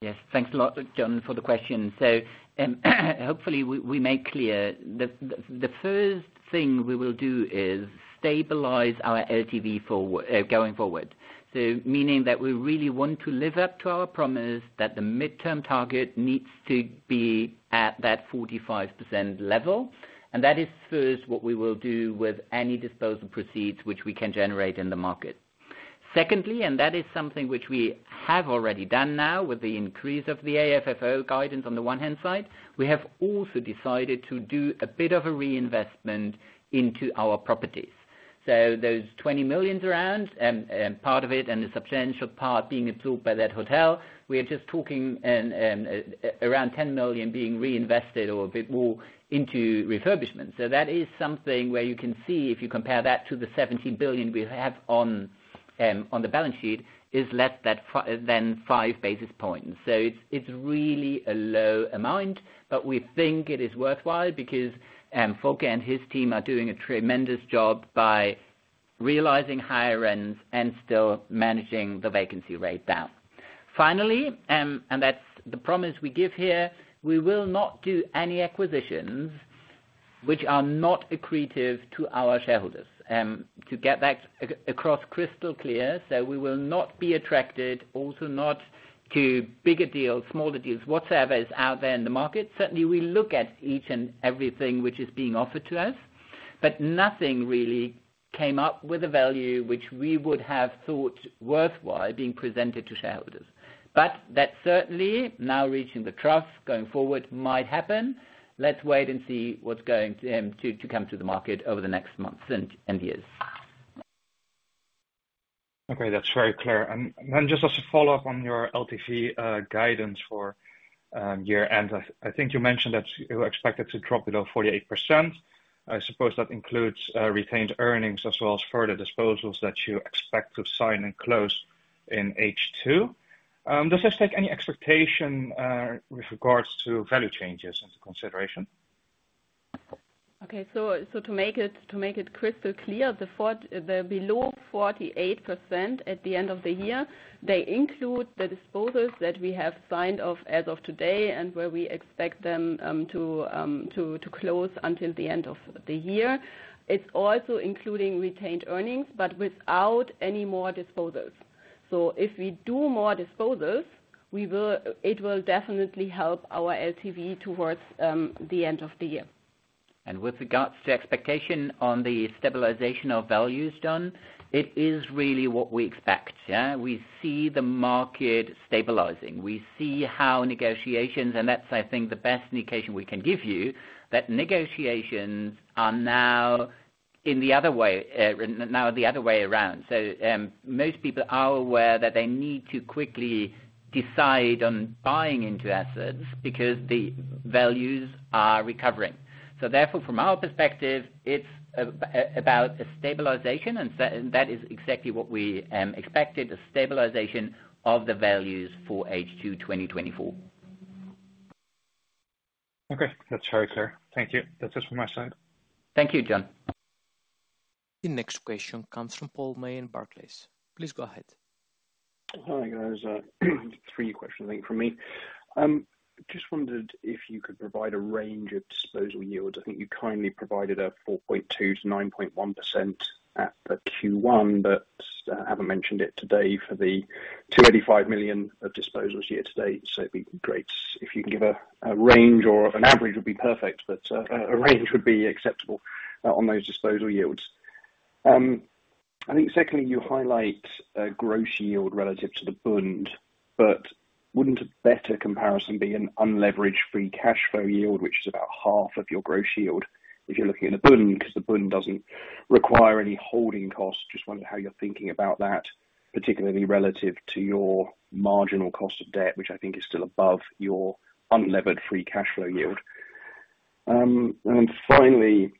Yes. Thanks a lot, John, for the question. So, hopefully we make clear the first thing we will do is stabilize our LTV going forward. So meaning that we really want to live up to our promise, that the midterm target needs to be at that 45% level, and that is first what we will do with any disposal proceeds which we can generate in the market. Secondly, and that is something which we have already done now with the increase of the AFFO guidance on the one hand side, we have also decided to do a bit of a reinvestment into our properties. So those 20 million, part of it, and a substantial part being absorbed by that hotel, we are just talking around 10 million being reinvested or a bit more into refurbishment. So that is something where you can see, if you compare that to the 17 billion we have on the balance sheet, is less than five basis points. So it's really a low amount, but we think it is worthwhile because Volker and his team are doing a tremendous job by realizing higher ends and still managing the vacancy rate down. Finally, that's the promise we give here, we will not do any acquisitions which are not accretive to our shareholders. To get that across crystal clear, so we will not be attracted, also not to bigger deals, smaller deals, whatsoever is out there in the market. Certainly, we look at each and everything which is being offered to us, but nothing really came up with a value which we would have thought worthwhile being presented to shareholders. But that certainly, now reaching the trough, going forward might happen. Let's wait and see what's going to come to the market over the next months and years. Okay, that's very clear. And then just as a follow-up on your LTV guidance for year-end. I, I think you mentioned that you expected to drop below 48%. I suppose that includes retained earnings as well as further disposals that you expect to sign and close in H2. Does this take any expectation with regards to value changes into consideration? Okay, so to make it crystal clear, the below 48% at the end of the year, they include the disposals that we have signed off as of today, and where we expect them to close until the end of the year. It's also including retained earnings, but without any more disposals. So if we do more disposals, it will definitely help our LTV towards the end of the year. With regards to expectation on the stabilization of values, John, it is really what we expect, yeah? We see the market stabilizing. We see how negotiations, and that's, I think, the best indication we can give you, that negotiations are now in the other way, now the other way around. So, most people are aware that they need to quickly decide on buying into assets because the values are recovering. So therefore, from our perspective, it's about a stabilization, and that is exactly what we expected, a stabilization of the values for H2 2024. Okay. That's very clear. Thank you. That's just from my side. Thank you, John. The next question comes from Paul May in Barclays. Please go ahead. Hi, guys. Three questions, I think, from me. Just wondered if you could provide a range of disposal yields. I think you kindly provided a 4.2%-9.1% at the Q1, but haven't mentioned it today for the 285 million of disposals year to date. So it'd be great if you can give a range or of an average would be perfect, but a range would be acceptable on those disposal yields. I think secondly, you highlight a gross yield relative to the Bund, but wouldn't a better comparison be an unleveraged free cash flow yield, which is about half of your gross yield if you're looking at a Bund, because the Bund doesn't require any holding costs? Just wondering how you're thinking about that, particularly relative to your marginal cost of debt, which I think is still above your unlevered free cash flow yield. And then finally,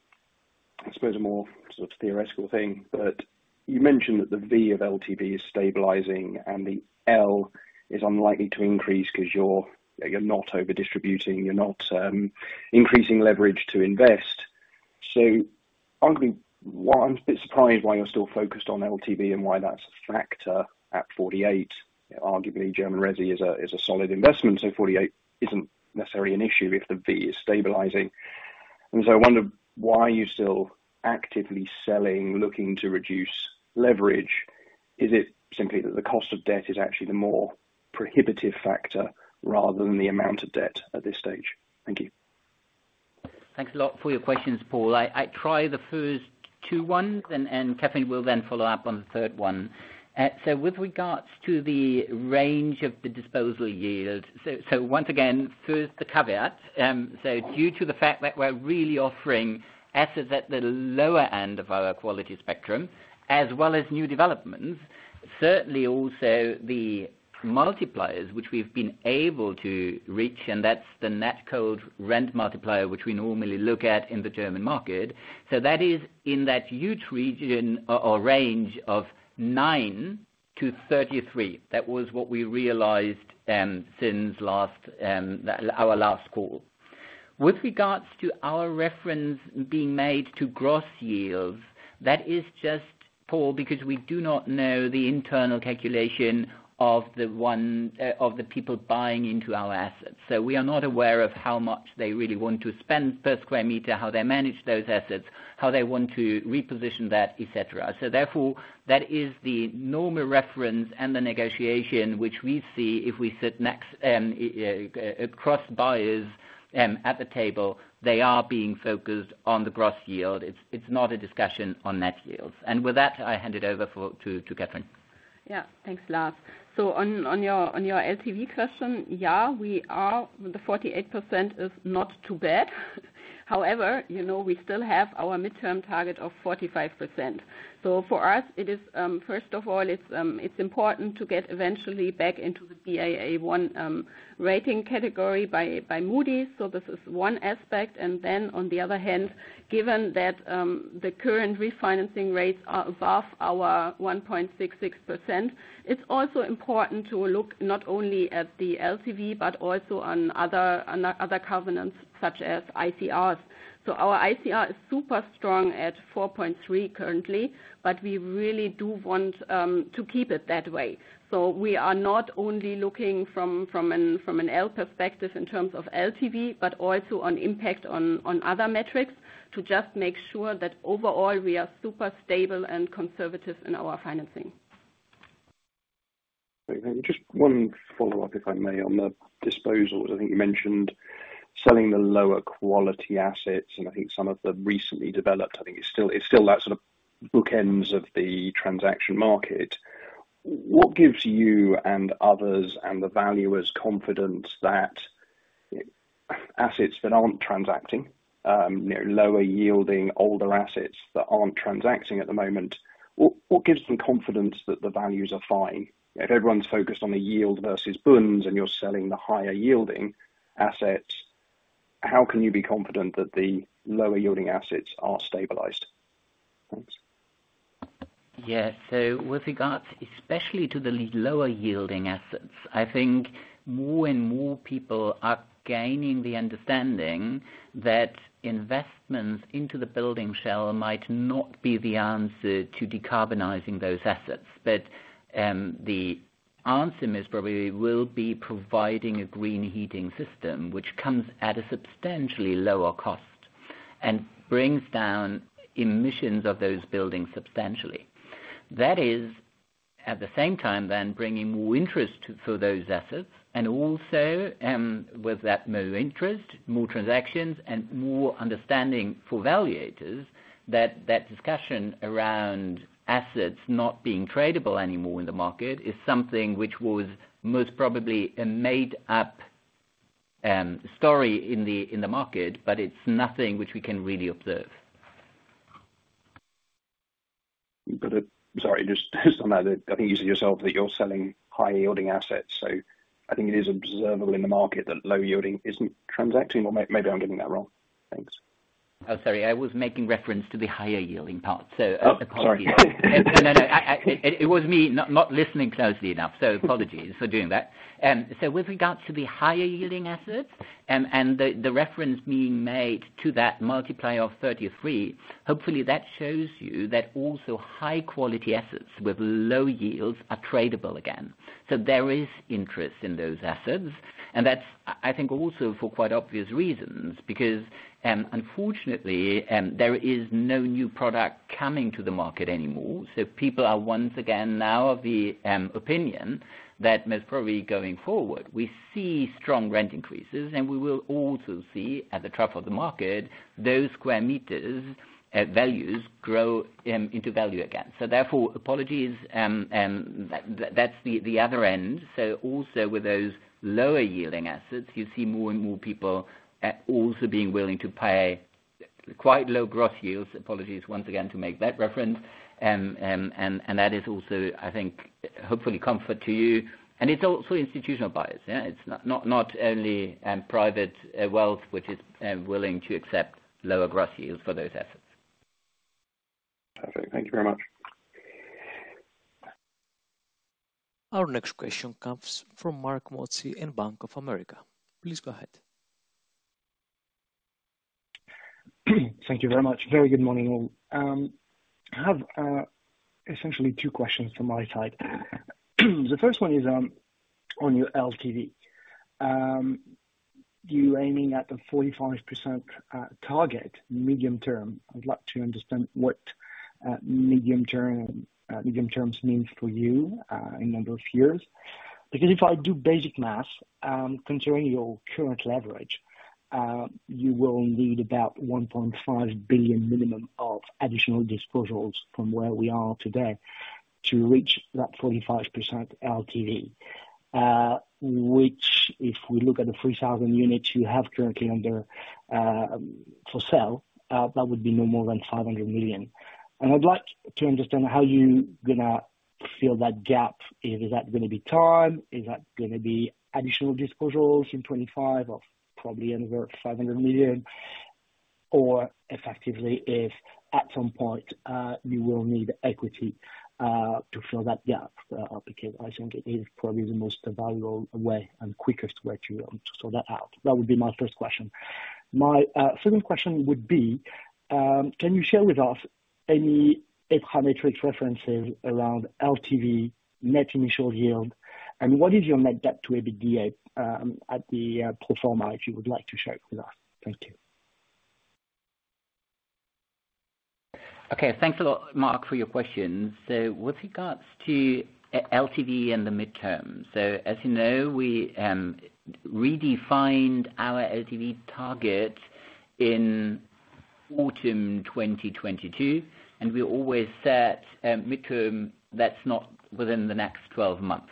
I suppose a more sort of theoretical thing, but you mentioned that the V of LTV is stabilizing and the L is unlikely to increase because you're not over-distributing, you're not increasing leverage to invest. So arguably, one, I'm a bit surprised why you're still focused on LTV and why that's a factor at 48. Arguably, German resi is a solid investment, so 48 isn't necessarily an issue if the V is stabilizing. And so I wonder, why are you still actively selling, looking to reduce leverage? Is it simply that the cost of debt is actually the more prohibitive factor rather than the amount of debt at this stage? Thank you. Thanks a lot for your questions, Paul. I try the first two one, and Kathrin will then follow up on the third one. So with regards to the range of the disposal yield, so once again, first, the caveat. So due to the fact that we're really offering assets at the lower end of our quality spectrum, as well as new developments, certainly also the multipliers which we've been able to reach, and that's the net cold rent multiplier, which we normally look at in the German market. So that is in that huge region or range of 9-33. That was what we realized since our last call. With regards to our reference being made to gross yields, that is just, Paul, because we do not know the internal calculation of the one of the people buying into our assets. So we are not aware of how much they really want to spend per square meter, how they manage those assets, how they want to reposition that, et cetera. So therefore, that is the normal reference and the negotiation which we see if we sit next across buyers at the table, they are being focused on the gross yield. It's not a discussion on net yields. And with that, I hand it over to Kathrin. Yeah. Thanks, Lars. So on your LTV question, yeah, we are. The 48% is not too bad. However, you know, we still have our midterm target of 45%. So for us, it is first of all, it's important to get eventually back into the Baa1 rating category by Moody's. So this is one aspect. And then on the other hand, given that the current refinancing rates are above our 1.66%, it's also important to look not only at the LTV, but also on other covenants, such as ICRs. So our ICR is super strong at 4.3 currently, but we really do want to keep it that way. We are not only looking from an LTV perspective in terms of LTV, but also on impact on other metrics, to just make sure that overall we are super stable and conservative in our financing. Just one follow-up, if I may, on the disposals. I think you mentioned selling the lower quality assets, and I think some of the recently developed, I think it's still, it's still that sort of bookends of the transaction market. What gives you and others and the valuers confidence that assets that aren't transacting, you know, lower yielding, older assets that aren't transacting at the moment, what gives them confidence that the values are fine? If everyone's focused on the yield versus bonds and you're selling the higher yielding assets, how can you be confident that the lower yielding assets are stabilized? Thanks. Yeah. So with regards, especially to the lower yielding assets, I think more and more people are gaining the understanding that investments into the building shell might not be the answer to decarbonizing those assets. But, the answer is probably will be providing a green heating system, which comes at a substantially lower cost and brings down emissions of those buildings substantially. That is, at the same time, then bringing more interest to, for those assets, and also, with that more interest, more transactions and more understanding for valuators, that that discussion around assets not being tradable anymore in the market is something which was most probably a made-up, story in the, in the market, but it's nothing which we can really observe. But, sorry, just on that, I think you said yourself that you're selling high-yielding assets, so I think it is observable in the market that low-yielding isn't transacting, or maybe I'm getting that wrong. Thanks. Oh, sorry. I was making reference to the higher yielding part, so- Oh, sorry. No, it was me not listening closely enough, so apologies for doing that. So with regards to the higher yielding assets, and the reference being made to that multiplier of 33, hopefully that shows you that also high quality assets with low yields are tradable again. So there is interest in those assets, and that's, I think also for quite obvious reasons. Because, unfortunately, there is no new product coming to the market anymore, so people are once again now of the opinion that most probably going forward, we see strong rent increases, and we will also see at the top of the market, those square meters values grow into value again. So therefore, apologies, that, that's the other end. So also with those lower yielding assets, you see more and more people also being willing to pay quite low gross yields. Apologies once again to make that reference. And that is also, I think, hopefully comfort to you. And it's also institutional buyers. Yeah, it's not only private wealth, which is willing to accept lower gross yields for those assets. Perfect. Thank you very much. Our next question comes from Marc Mozzi in Bank of America. Please go ahead. Thank you very much. Very good morning, all. I have essentially two questions from my side. The first one is on your LTV. You aiming at the 45% target medium term. I'd like to understand what medium term means for you in number of years. Because if I do basic math, considering your current leverage, you will need about 1.5 billion minimum of additional disposals from where we are today to reach that 45% LTV. Which if we look at the 3,000 units you have currently under for sale, that would be no more than 500 million. And I'd like to understand how you gonna fill that gap. Is that gonna be time? Is that gonna be additional disposals in 2025 or probably anywhere 500 million, or effectively if at some point, you will need equity, to fill that gap? Because I think it is probably the most valuable way and quickest way to, to sort that out. That would be my first question. My, second question would be, can you share with us any parametric references around LTV, net initial yield, and what is your net debt to EBITDA, at the, pro forma, if you would like to share it with us? Thank you. Okay, thanks a lot, Marc, for your questions. So with regards to LTV and the midterm, so as you know, we redefined our LTV target in autumn 2022, and we always said, midterm, that's not within the next 12 months.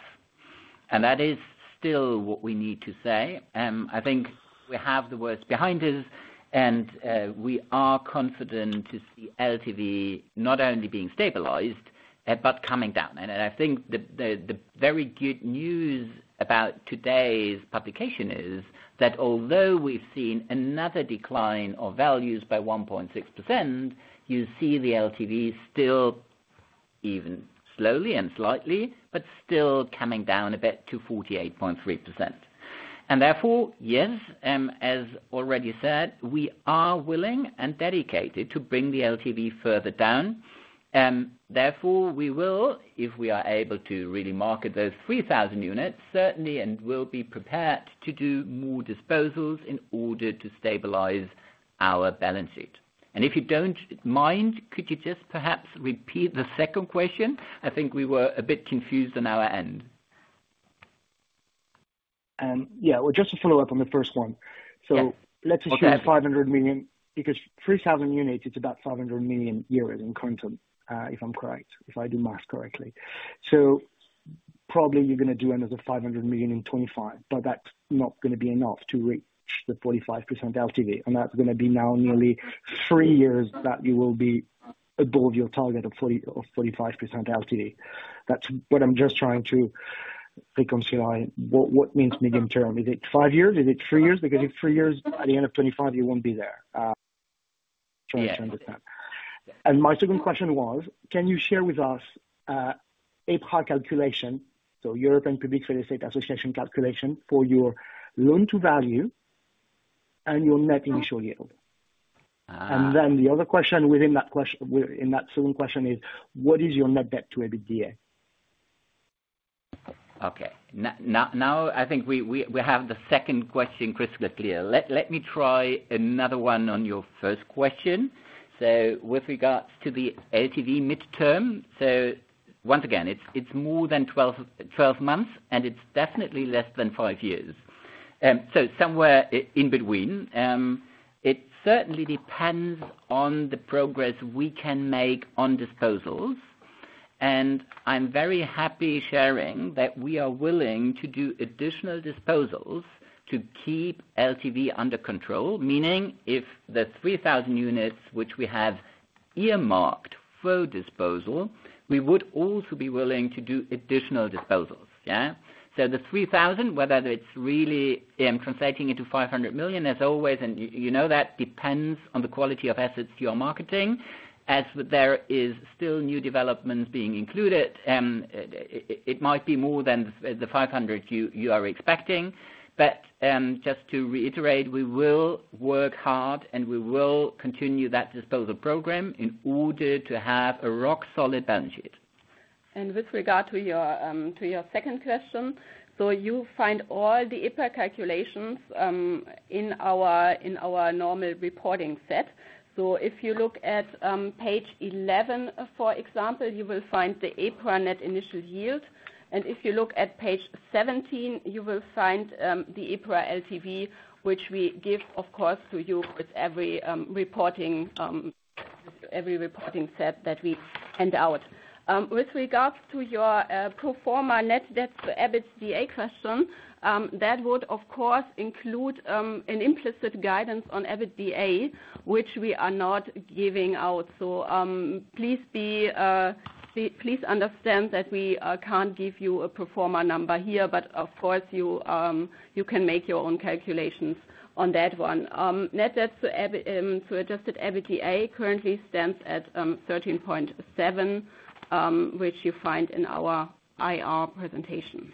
And that is still what we need to say. I think we have the worst behind us, and we are confident to see LTV not only being stabilized, but coming down. And I think the very good news about today's publication is that although we've seen another decline of values by 1.6%, you see the LTV still even slowly and slightly, but still coming down a bit to 48.3%. And therefore, yes, as already said, we are willing and dedicated to bring the LTV further down. Therefore, we will, if we are able to really market those 3,000 units, certainly and will be prepared to do more disposals in order to stabilize our balance sheet. If you don't mind, could you just perhaps repeat the second question? I think we were a bit confused on our end. Yeah. Well, just to follow up on the first one. Yeah. Okay. So let's assume 500 million, because 3,000 units, it's about 500 million euros in quantum, if I'm correct, if I do math correctly. So probably you're going to do another 500 million in 2025, but that's not going to be enough to reach the 45% LTV, and that's going to be now nearly 3 years that you will be above your target of 40% or 45% LTV. That's what I'm just trying to reconcile, what, what means medium term? Is it 5 years? Is it 3 years? Because in 3 years, at the end of 2025, you won't be there. Trying to understand. Yeah. My second question was, can you share with us, an EPRA calculation, so European Public Real Estate Association calculation for your loan-to-value and your net initial yield? Ah. And then the other question within that question, within that second question is: What is your net debt to EBITDA? Okay. I think we have the second question crystal clear. Let me try another one on your first question. So with regards to the LTV midterm, so once again, it's more than 12 months, and it's definitely less than 5 years. So somewhere in between. It certainly depends on the progress we can make on disposals. And I'm very happy sharing that we are willing to do additional disposals to keep LTV under control, meaning if the 3,000 units which we have earmarked for disposal, we would also be willing to do additional disposals. Yeah? So the 3,000, whether it's really translating into 500 million, as always, and you know that depends on the quality of assets you are marketing. As there is still new developments being included, it might be more than the 500 you are expecting. But, just to reiterate, we will work hard, and we will continue that disposal program in order to have a rock-solid balance sheet. With regard to your second question, so you find all the EPRA calculations in our normal reporting set. So if you look at page 11, for example, you will find the EPRA net initial yield. If you look at page 17, you will find the EPRA LTV, which we give, of course, to you with every reporting set that we hand out. With regards to your pro forma net debt to EBITDA question, that would, of course, include an implicit guidance on EBITDA, which we are not giving out. So please understand that we can't give you a pro forma number here, but of course, you can make your own calculations on that one. Net debt to adjusted EBITDA currently stands at 13.7, which you find in our IR presentation.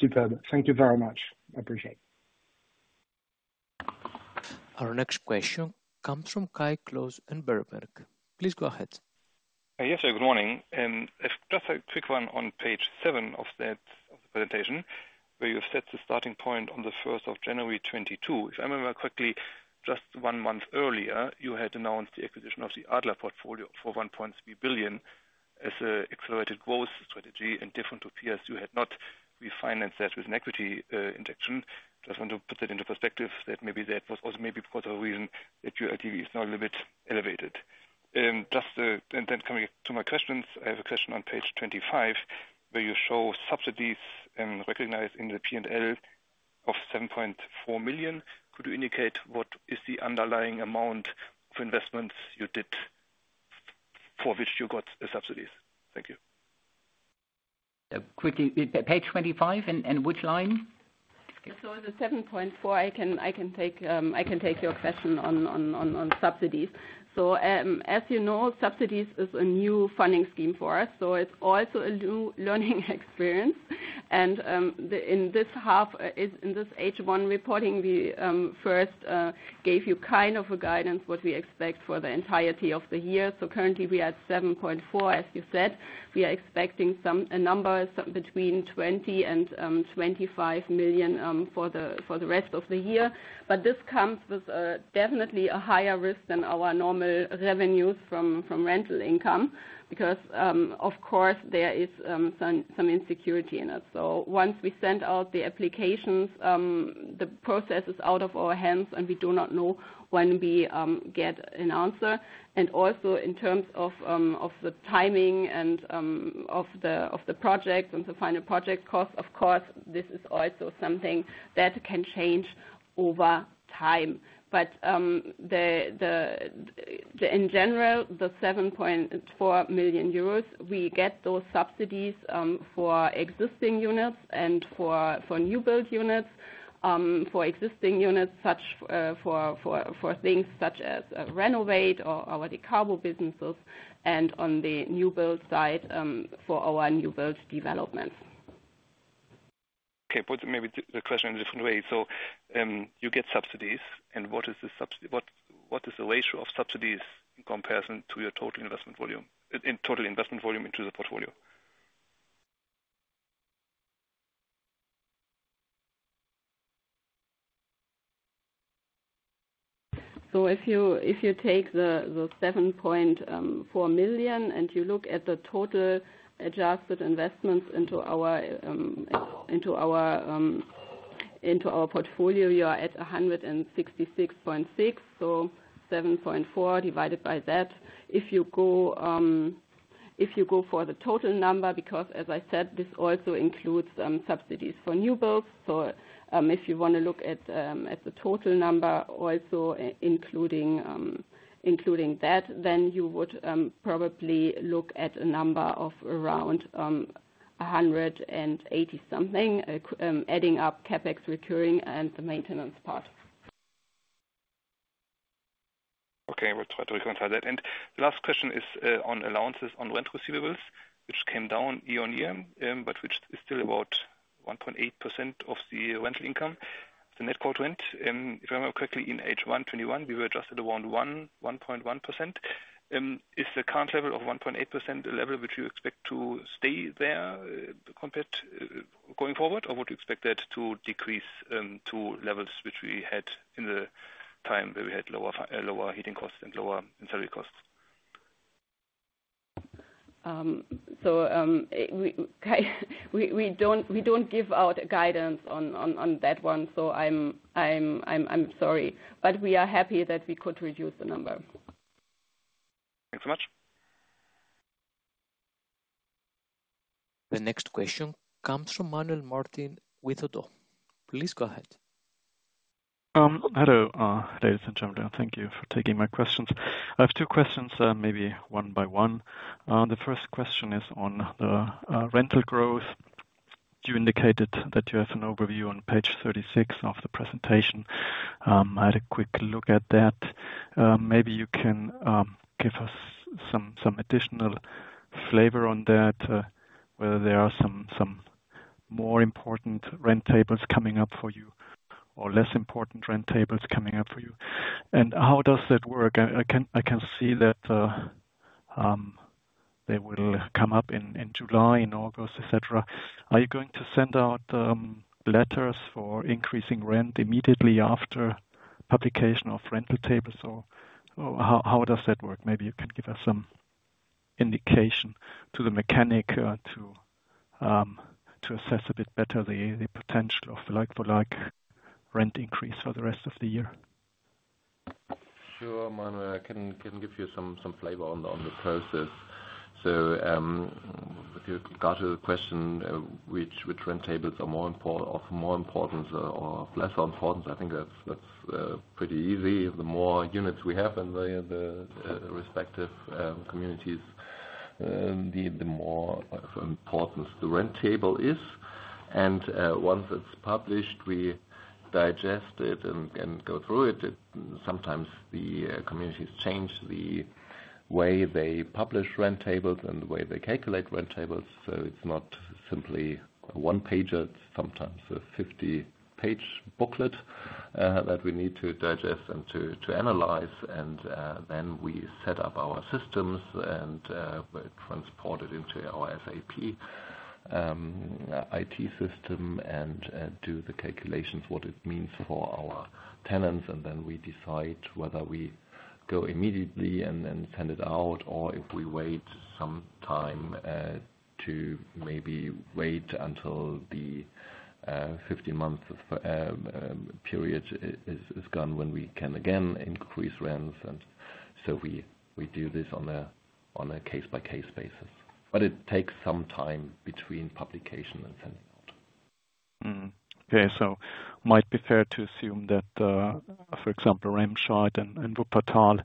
Superb. Thank you very much. I appreciate it. Our next question comes from Kai Klose in Berenberg. Please go ahead. Hi, yes, good morning. Just a quick one on page seven of that presentation, where you set the starting point on the first of January, 2022. If I remember correctly, just one month earlier, you had announced the acquisition of the Adler portfolio for 1.3 billion as a accelerated growth strategy and different to peers, you had not refinanced that with an equity, injection. Just want to put that into perspective, that maybe that was also maybe part of the reason that your LTV is now a little bit elevated. Just, and then coming to my questions, I have a question on page 25, where you show subsidies, recognized in the P&L of 7.4 million. Could you indicate what is the underlying amount of investments you did for which you got the subsidies? Thank you. Quickly, page 25, and which line? So the 7.4 million, I can take your question on subsidies. So, as you know, subsidies is a new funding scheme for us, so it's also a new learning experience. And, in this half, in this H1 reporting, we first gave you kind of a guidance, what we expect for the entirety of the year. So currently we are at 7.4 million, as you said. We are expecting a number between 20 million-25 million for the rest of the year. But this comes with definitely a higher risk than our normal revenues from rental income, because, of course, there is some insecurity in it. So once we send out the applications, the process is out of our hands, and we do not know when we get an answer. And also in terms of the timing and of the project and the final project cost, of course, this is also something that can change over time. But in general, the 7.4 million euros we get those subsidies for existing units and for new build units. For existing units, for things such as renovate or our decarb businesses, and on the new build side for our new build developments. Okay, put maybe the question in a different way. So, you get subsidies, and what is the ratio of subsidies in comparison to your total investment volume, in total investment volume into the portfolio? So if you take the 7.4 million, and you look at the total adjusted investments into our portfolio, we are at 166.6 million. So 7.4 divided by that. If you go for the total number, because as I said, this also includes subsidies for new builds. So if you want to look at the total number, also including that, then you would probably look at a number of around 180-something million, adding up CapEx, recurring, and the maintenance part. Okay, we'll try to reconcile that. The last question is on allowances on rent receivables, which came down year-on-year, but which is still about 1.8% of the rental income. The net cold rent, if I remember correctly, in H1 2021, we were adjusted to around 1.1%. Is the current level of 1.8% the level which you expect to stay there going forward? Or would you expect that to decrease to levels which we had in the time where we had lower heating costs and lower utility costs? So, we don't give out guidance on that one, so I'm sorry. But we are happy that we could reduce the number. Thanks so much. The next question comes from Manuel Martin with Oddo. Please go ahead. Hello, ladies and gentlemen, thank you for taking my questions. I have two questions, maybe one by one. The first question is on the rental growth. You indicated that you have an overview on page 36 of the presentation. I had a quick look at that. Maybe you can give us some additional flavor on that, whether there are some more important rent tables coming up for you or less important rent tables coming up for you. And how does that work? I can see that they will come up in July, in August, et cetera. Are you going to send out letters for increasing rent immediately after publication of rental tables? Or how does that work? Maybe you can give us some indication of the mechanics to assess a bit better the potential of the like-for-like rent increase for the rest of the year. Sure, Manuel, I can give you some flavor on the process. So, if you regard to the question, which rent tables are more important—of more importance or of lesser importance, I think that's pretty easy. The more units we have in the respective communities, the more of importance the rent table is. And once it's published, we digest it and go through it. Sometimes the communities change the way they publish rent tables and the way they calculate rent tables, so it's not simply a one-pager, it's sometimes a 50-page booklet that we need to digest and to analyze. And then we set up our systems and we transport it into our SAP IT system and do the calculations, what it means for our tenants, and then we decide whether we go immediately and then send it out, or if we wait some time to maybe wait until the 15 months of period is gone, when we can again increase rents. And so we do this on a case-by-case basis. But it takes some time between publication and sending out. Mm-hmm. Okay, so might be fair to assume that, for example, Remscheid and Wuppertal,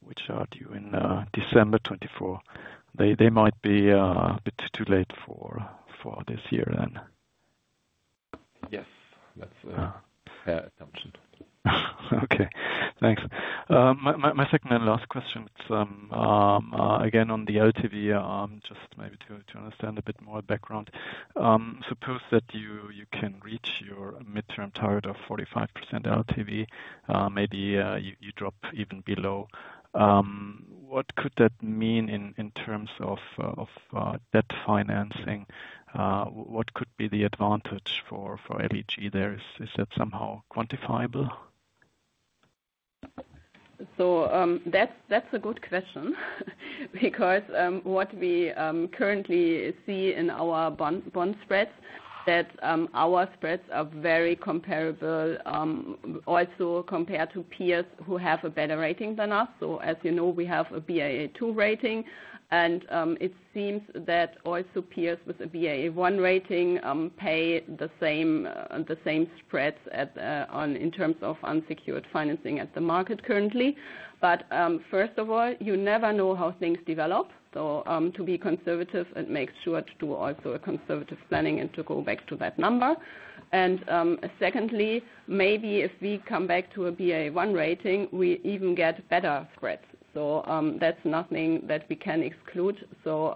which are due in December 2024, they might be a bit too late for this year, then? Yes, that's a- Uh. -fair assumption. Okay, thanks. My second and last question, it's again on the LTV, just maybe to understand a bit more background. Suppose that you can reach your midterm target of 45% LTV, maybe you drop even below. What could that mean in terms of debt financing? What could be the advantage for LEG there? Is that somehow quantifiable? So, that's a good question. Because what we currently see in our bond spreads that our spreads are very comparable, also compared to peers who have a better rating than us. So as you know, we have a Baa2 rating, and it seems that also peers with a Baa1 rating pay the same spreads in terms of unsecured financing at the market currently. But first of all, you never know how things develop. So to be conservative and make sure to do also a conservative planning and to go back to that number. And secondly, maybe if we come back to a Baa1 rating, we even get better spreads. So that's nothing that we can exclude. So,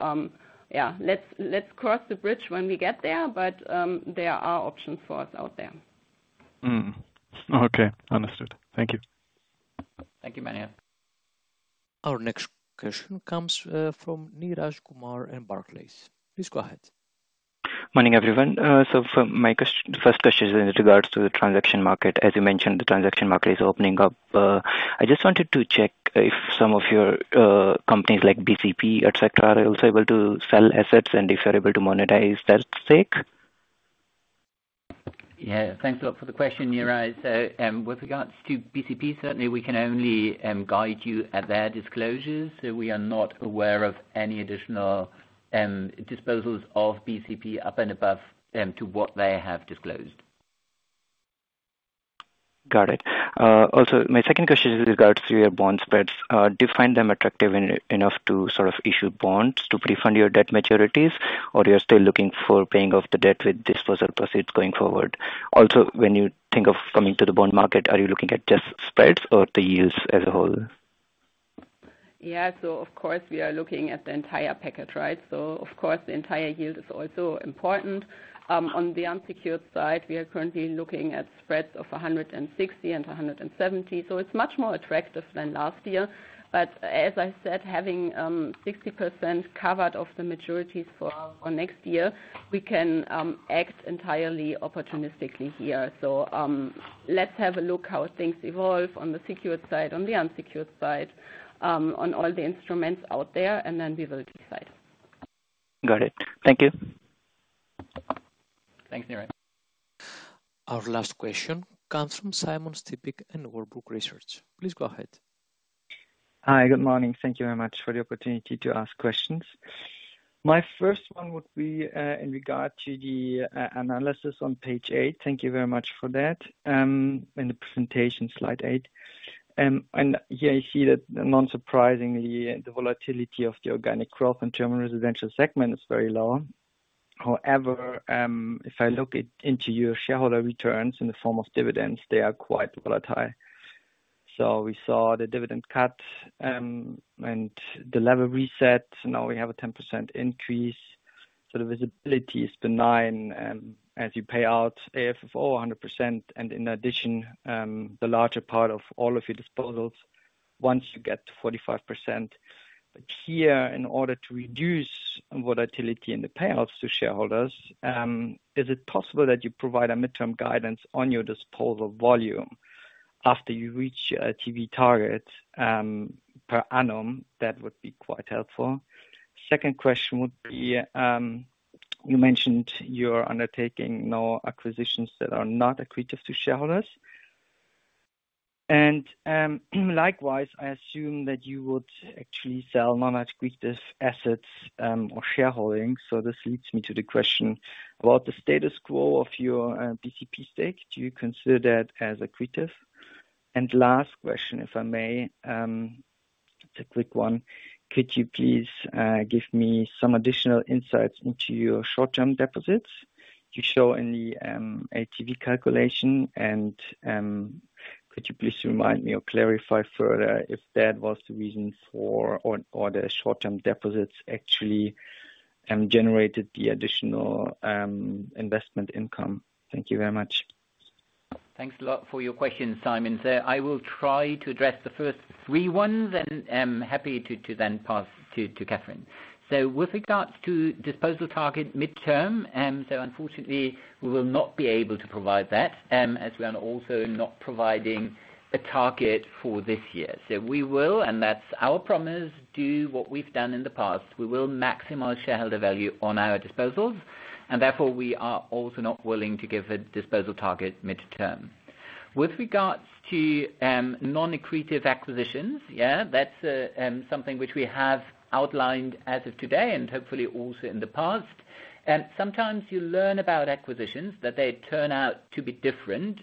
yeah, let's cross the bridge when we get there, but there are options for us out there. Mm-hmm. Okay, understood. Thank you. Thank you, Manuel. Our next question comes from Neeraj Kumar in Barclays. Please go ahead. Morning, everyone. So the first question is in regards to the transaction market. As you mentioned, the transaction market is opening up. I just wanted to check if some of your companies like BCP, et cetera, are also able to sell assets, and if you're able to monetize that stake? Yeah, thanks a lot for the question, Neeraj. With regards to BCP, certainly we can only guide you at their disclosures. So we are not aware of any additional disposals of BCP up and above to what they have disclosed. Got it. Also, my second question is in regards to your bond spreads. Do you find them attractive enough to sort of issue bonds to pre-fund your debt maturities, or you're still looking for paying off the debt with disposal proceeds going forward? Also, when you think of coming to the bond market, are you looking at just spreads or the yields as a whole? Yeah. So of course, we are looking at the entire package, right? So of course, the entire yield is also important. On the unsecured side, we are currently looking at spreads of 160 and 170, so it's much more attractive than last year. But as I said, having 60% covered of the maturities for next year, we can act entirely opportunistically here. So, let's have a look how things evolve on the secured side, on the unsecured side, on all the instruments out there, and then we will decide. Got it. Thank you. Thanks, Neeraj. Our last question comes from Simon Stippig in Warburg Research. Please go ahead. Hi, good morning. Thank you very much for the opportunity to ask questions. My first one would be, in regard to the, analysis on page 8. Thank you very much for that, in the presentation, slide eight. And here you see that not surprisingly, the volatility of the organic growth in German residential segment is very low. However, if I look at into your shareholder returns in the form of dividends, they are quite volatile. So we saw the dividend cut, and the level reset. Now we have a 10% increase, so the visibility is benign, as you pay out AFFO 100% and in addition, the larger part of all of your disposals, once you get to 45%. But here, in order to reduce volatility in the payouts to shareholders, is it possible that you provide a midterm guidance on your disposal volume after you reach TV targets per annum? That would be quite helpful. Second question would be, you mentioned you're undertaking no acquisitions that are not accretive to shareholders. And likewise, I assume that you would actually sell non-accretive assets or shareholding. So this leads me to the question about the status quo of your BCP stake. Do you consider that as accretive? And last question, if I may, it's a quick one. Could you please give me some additional insights into your short-term deposits you show in the LTV calculation? Could you please remind me or clarify further if that was the reason for or, or the short-term deposits actually generated the additional investment income? Thank you very much. Thanks a lot for your questions, Simon. So I will try to address the first three ones, and I'm happy to then pass to Kathrin. So with regards to disposal target midterm, so unfortunately, we will not be able to provide that, as we are also not providing a target for this year. So we will, and that's our promise, do what we've done in the past. We will maximize shareholder value on our disposals, and therefore, we are also not willing to give a disposal target midterm. With regards to non-accretive acquisitions, yeah, that's something which we have outlined as of today and hopefully also in the past. And sometimes you learn about acquisitions, that they turn out to be different.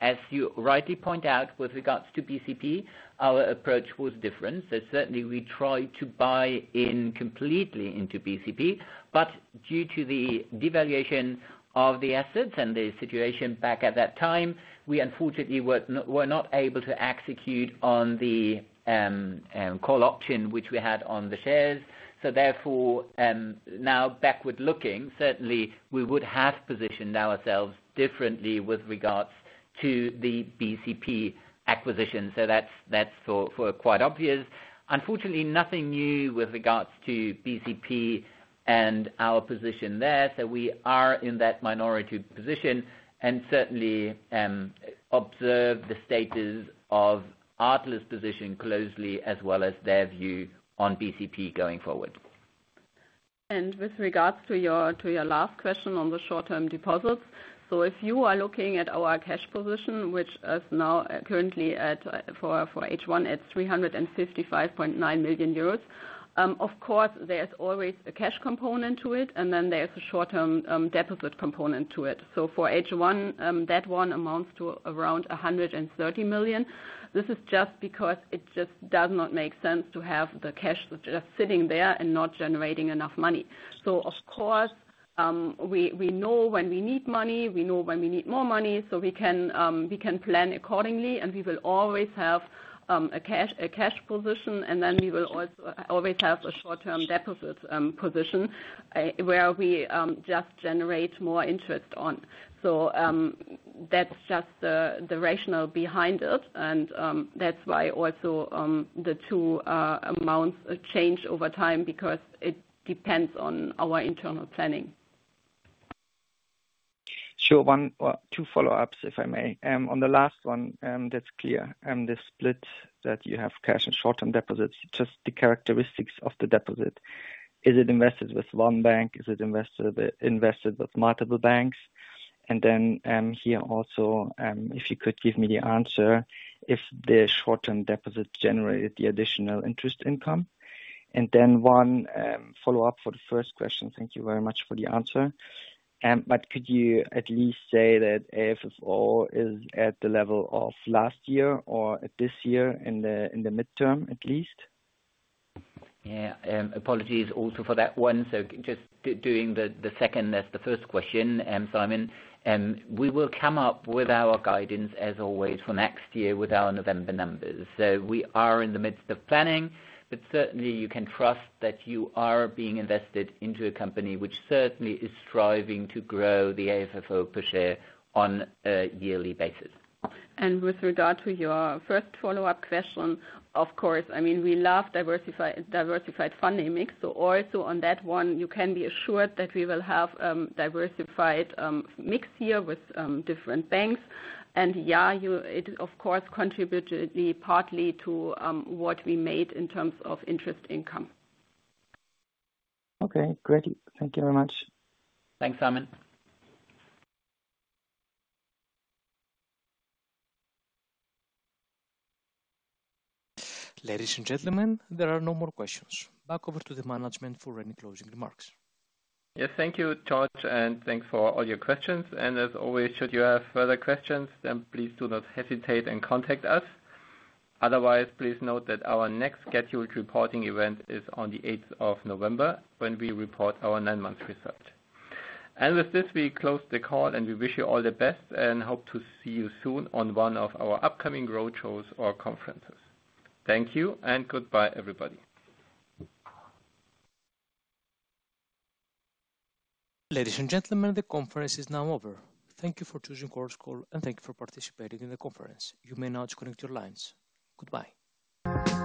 As you rightly point out with regards to BCP, our approach was different. So certainly we tried to buy in completely into BCP, but due to the devaluation of the assets and the situation back at that time, we unfortunately were not able to execute on the call option, which we had on the shares. So therefore, now backward-looking, certainly we would have positioned ourselves differently with regards to the BCP acquisition. So that's quite obvious. Unfortunately, nothing new with regards to BCP and our position there. So we are in that minority position and certainly observe the status of Adler's position closely as well as their view on BCP going forward. With regards to your, to your last question on the short-term deposits, so if you are looking at our cash position, which is now currently at, for, for H1, it's 355.9 million euros. Of course, there's always a cash component to it, and then there's a short-term, deposit component to it. So for H1, that one amounts to around 130 million. This is just because it just does not make sense to have the cash just sitting there and not generating enough money. So of course- We know when we need money. We know when we need more money, so we can plan accordingly, and we will always have a cash position, and then we will also always have a short-term deposit position where we just generate more interest on. So, that's just the rationale behind it, and that's why also the two amounts change over time, because it depends on our internal planning. Sure. One or two follow-ups, if I may. On the last one, that's clear, and the split that you have cash and short-term deposits, just the characteristics of the deposit. Is it invested with one bank? Is it invested, invested with multiple banks? And then, here also, if you could give me the answer, if the short-term deposits generated the additional interest income. And then one, follow-up for the first question. Thank you very much for the answer. But could you at least say that AFFO is at the level of last year or this year, in the, in the midterm, at least? Yeah. Apologies also for that one. So just doing the second as the first question, Simon, we will come up with our guidance as always for next year with our November numbers. So we are in the midst of planning, but certainly you can trust that you are being invested into a company which certainly is striving to grow the AFFO per share on a yearly basis. And with regard to your first follow-up question, of course, I mean, we love diversified funding mix. So also on that one, you can be assured that we will have diversified mix here with different banks. And, yeah, you—it, of course, contributed partly to what we made in terms of interest income. Okay, great. Thank you very much. Thanks, Simon. Ladies and gentlemen, there are no more questions. Back over to the management for any closing remarks. Yes, thank you, George, and thanks for all your questions. As always, should you have further questions, then please do not hesitate and contact us. Otherwise, please note that our next scheduled reporting event is on the 8th November, when we report our nine-month results. With this, we close the call, and we wish you all the best and hope to see you soon on one of our upcoming roadshows or conferences. Thank you, and goodbye, everybody. Ladies and gentlemen, the conference is now over. Thank you for choosing Chorus Call, and thank you for participating in the conference. You may now disconnect your lines. Goodbye.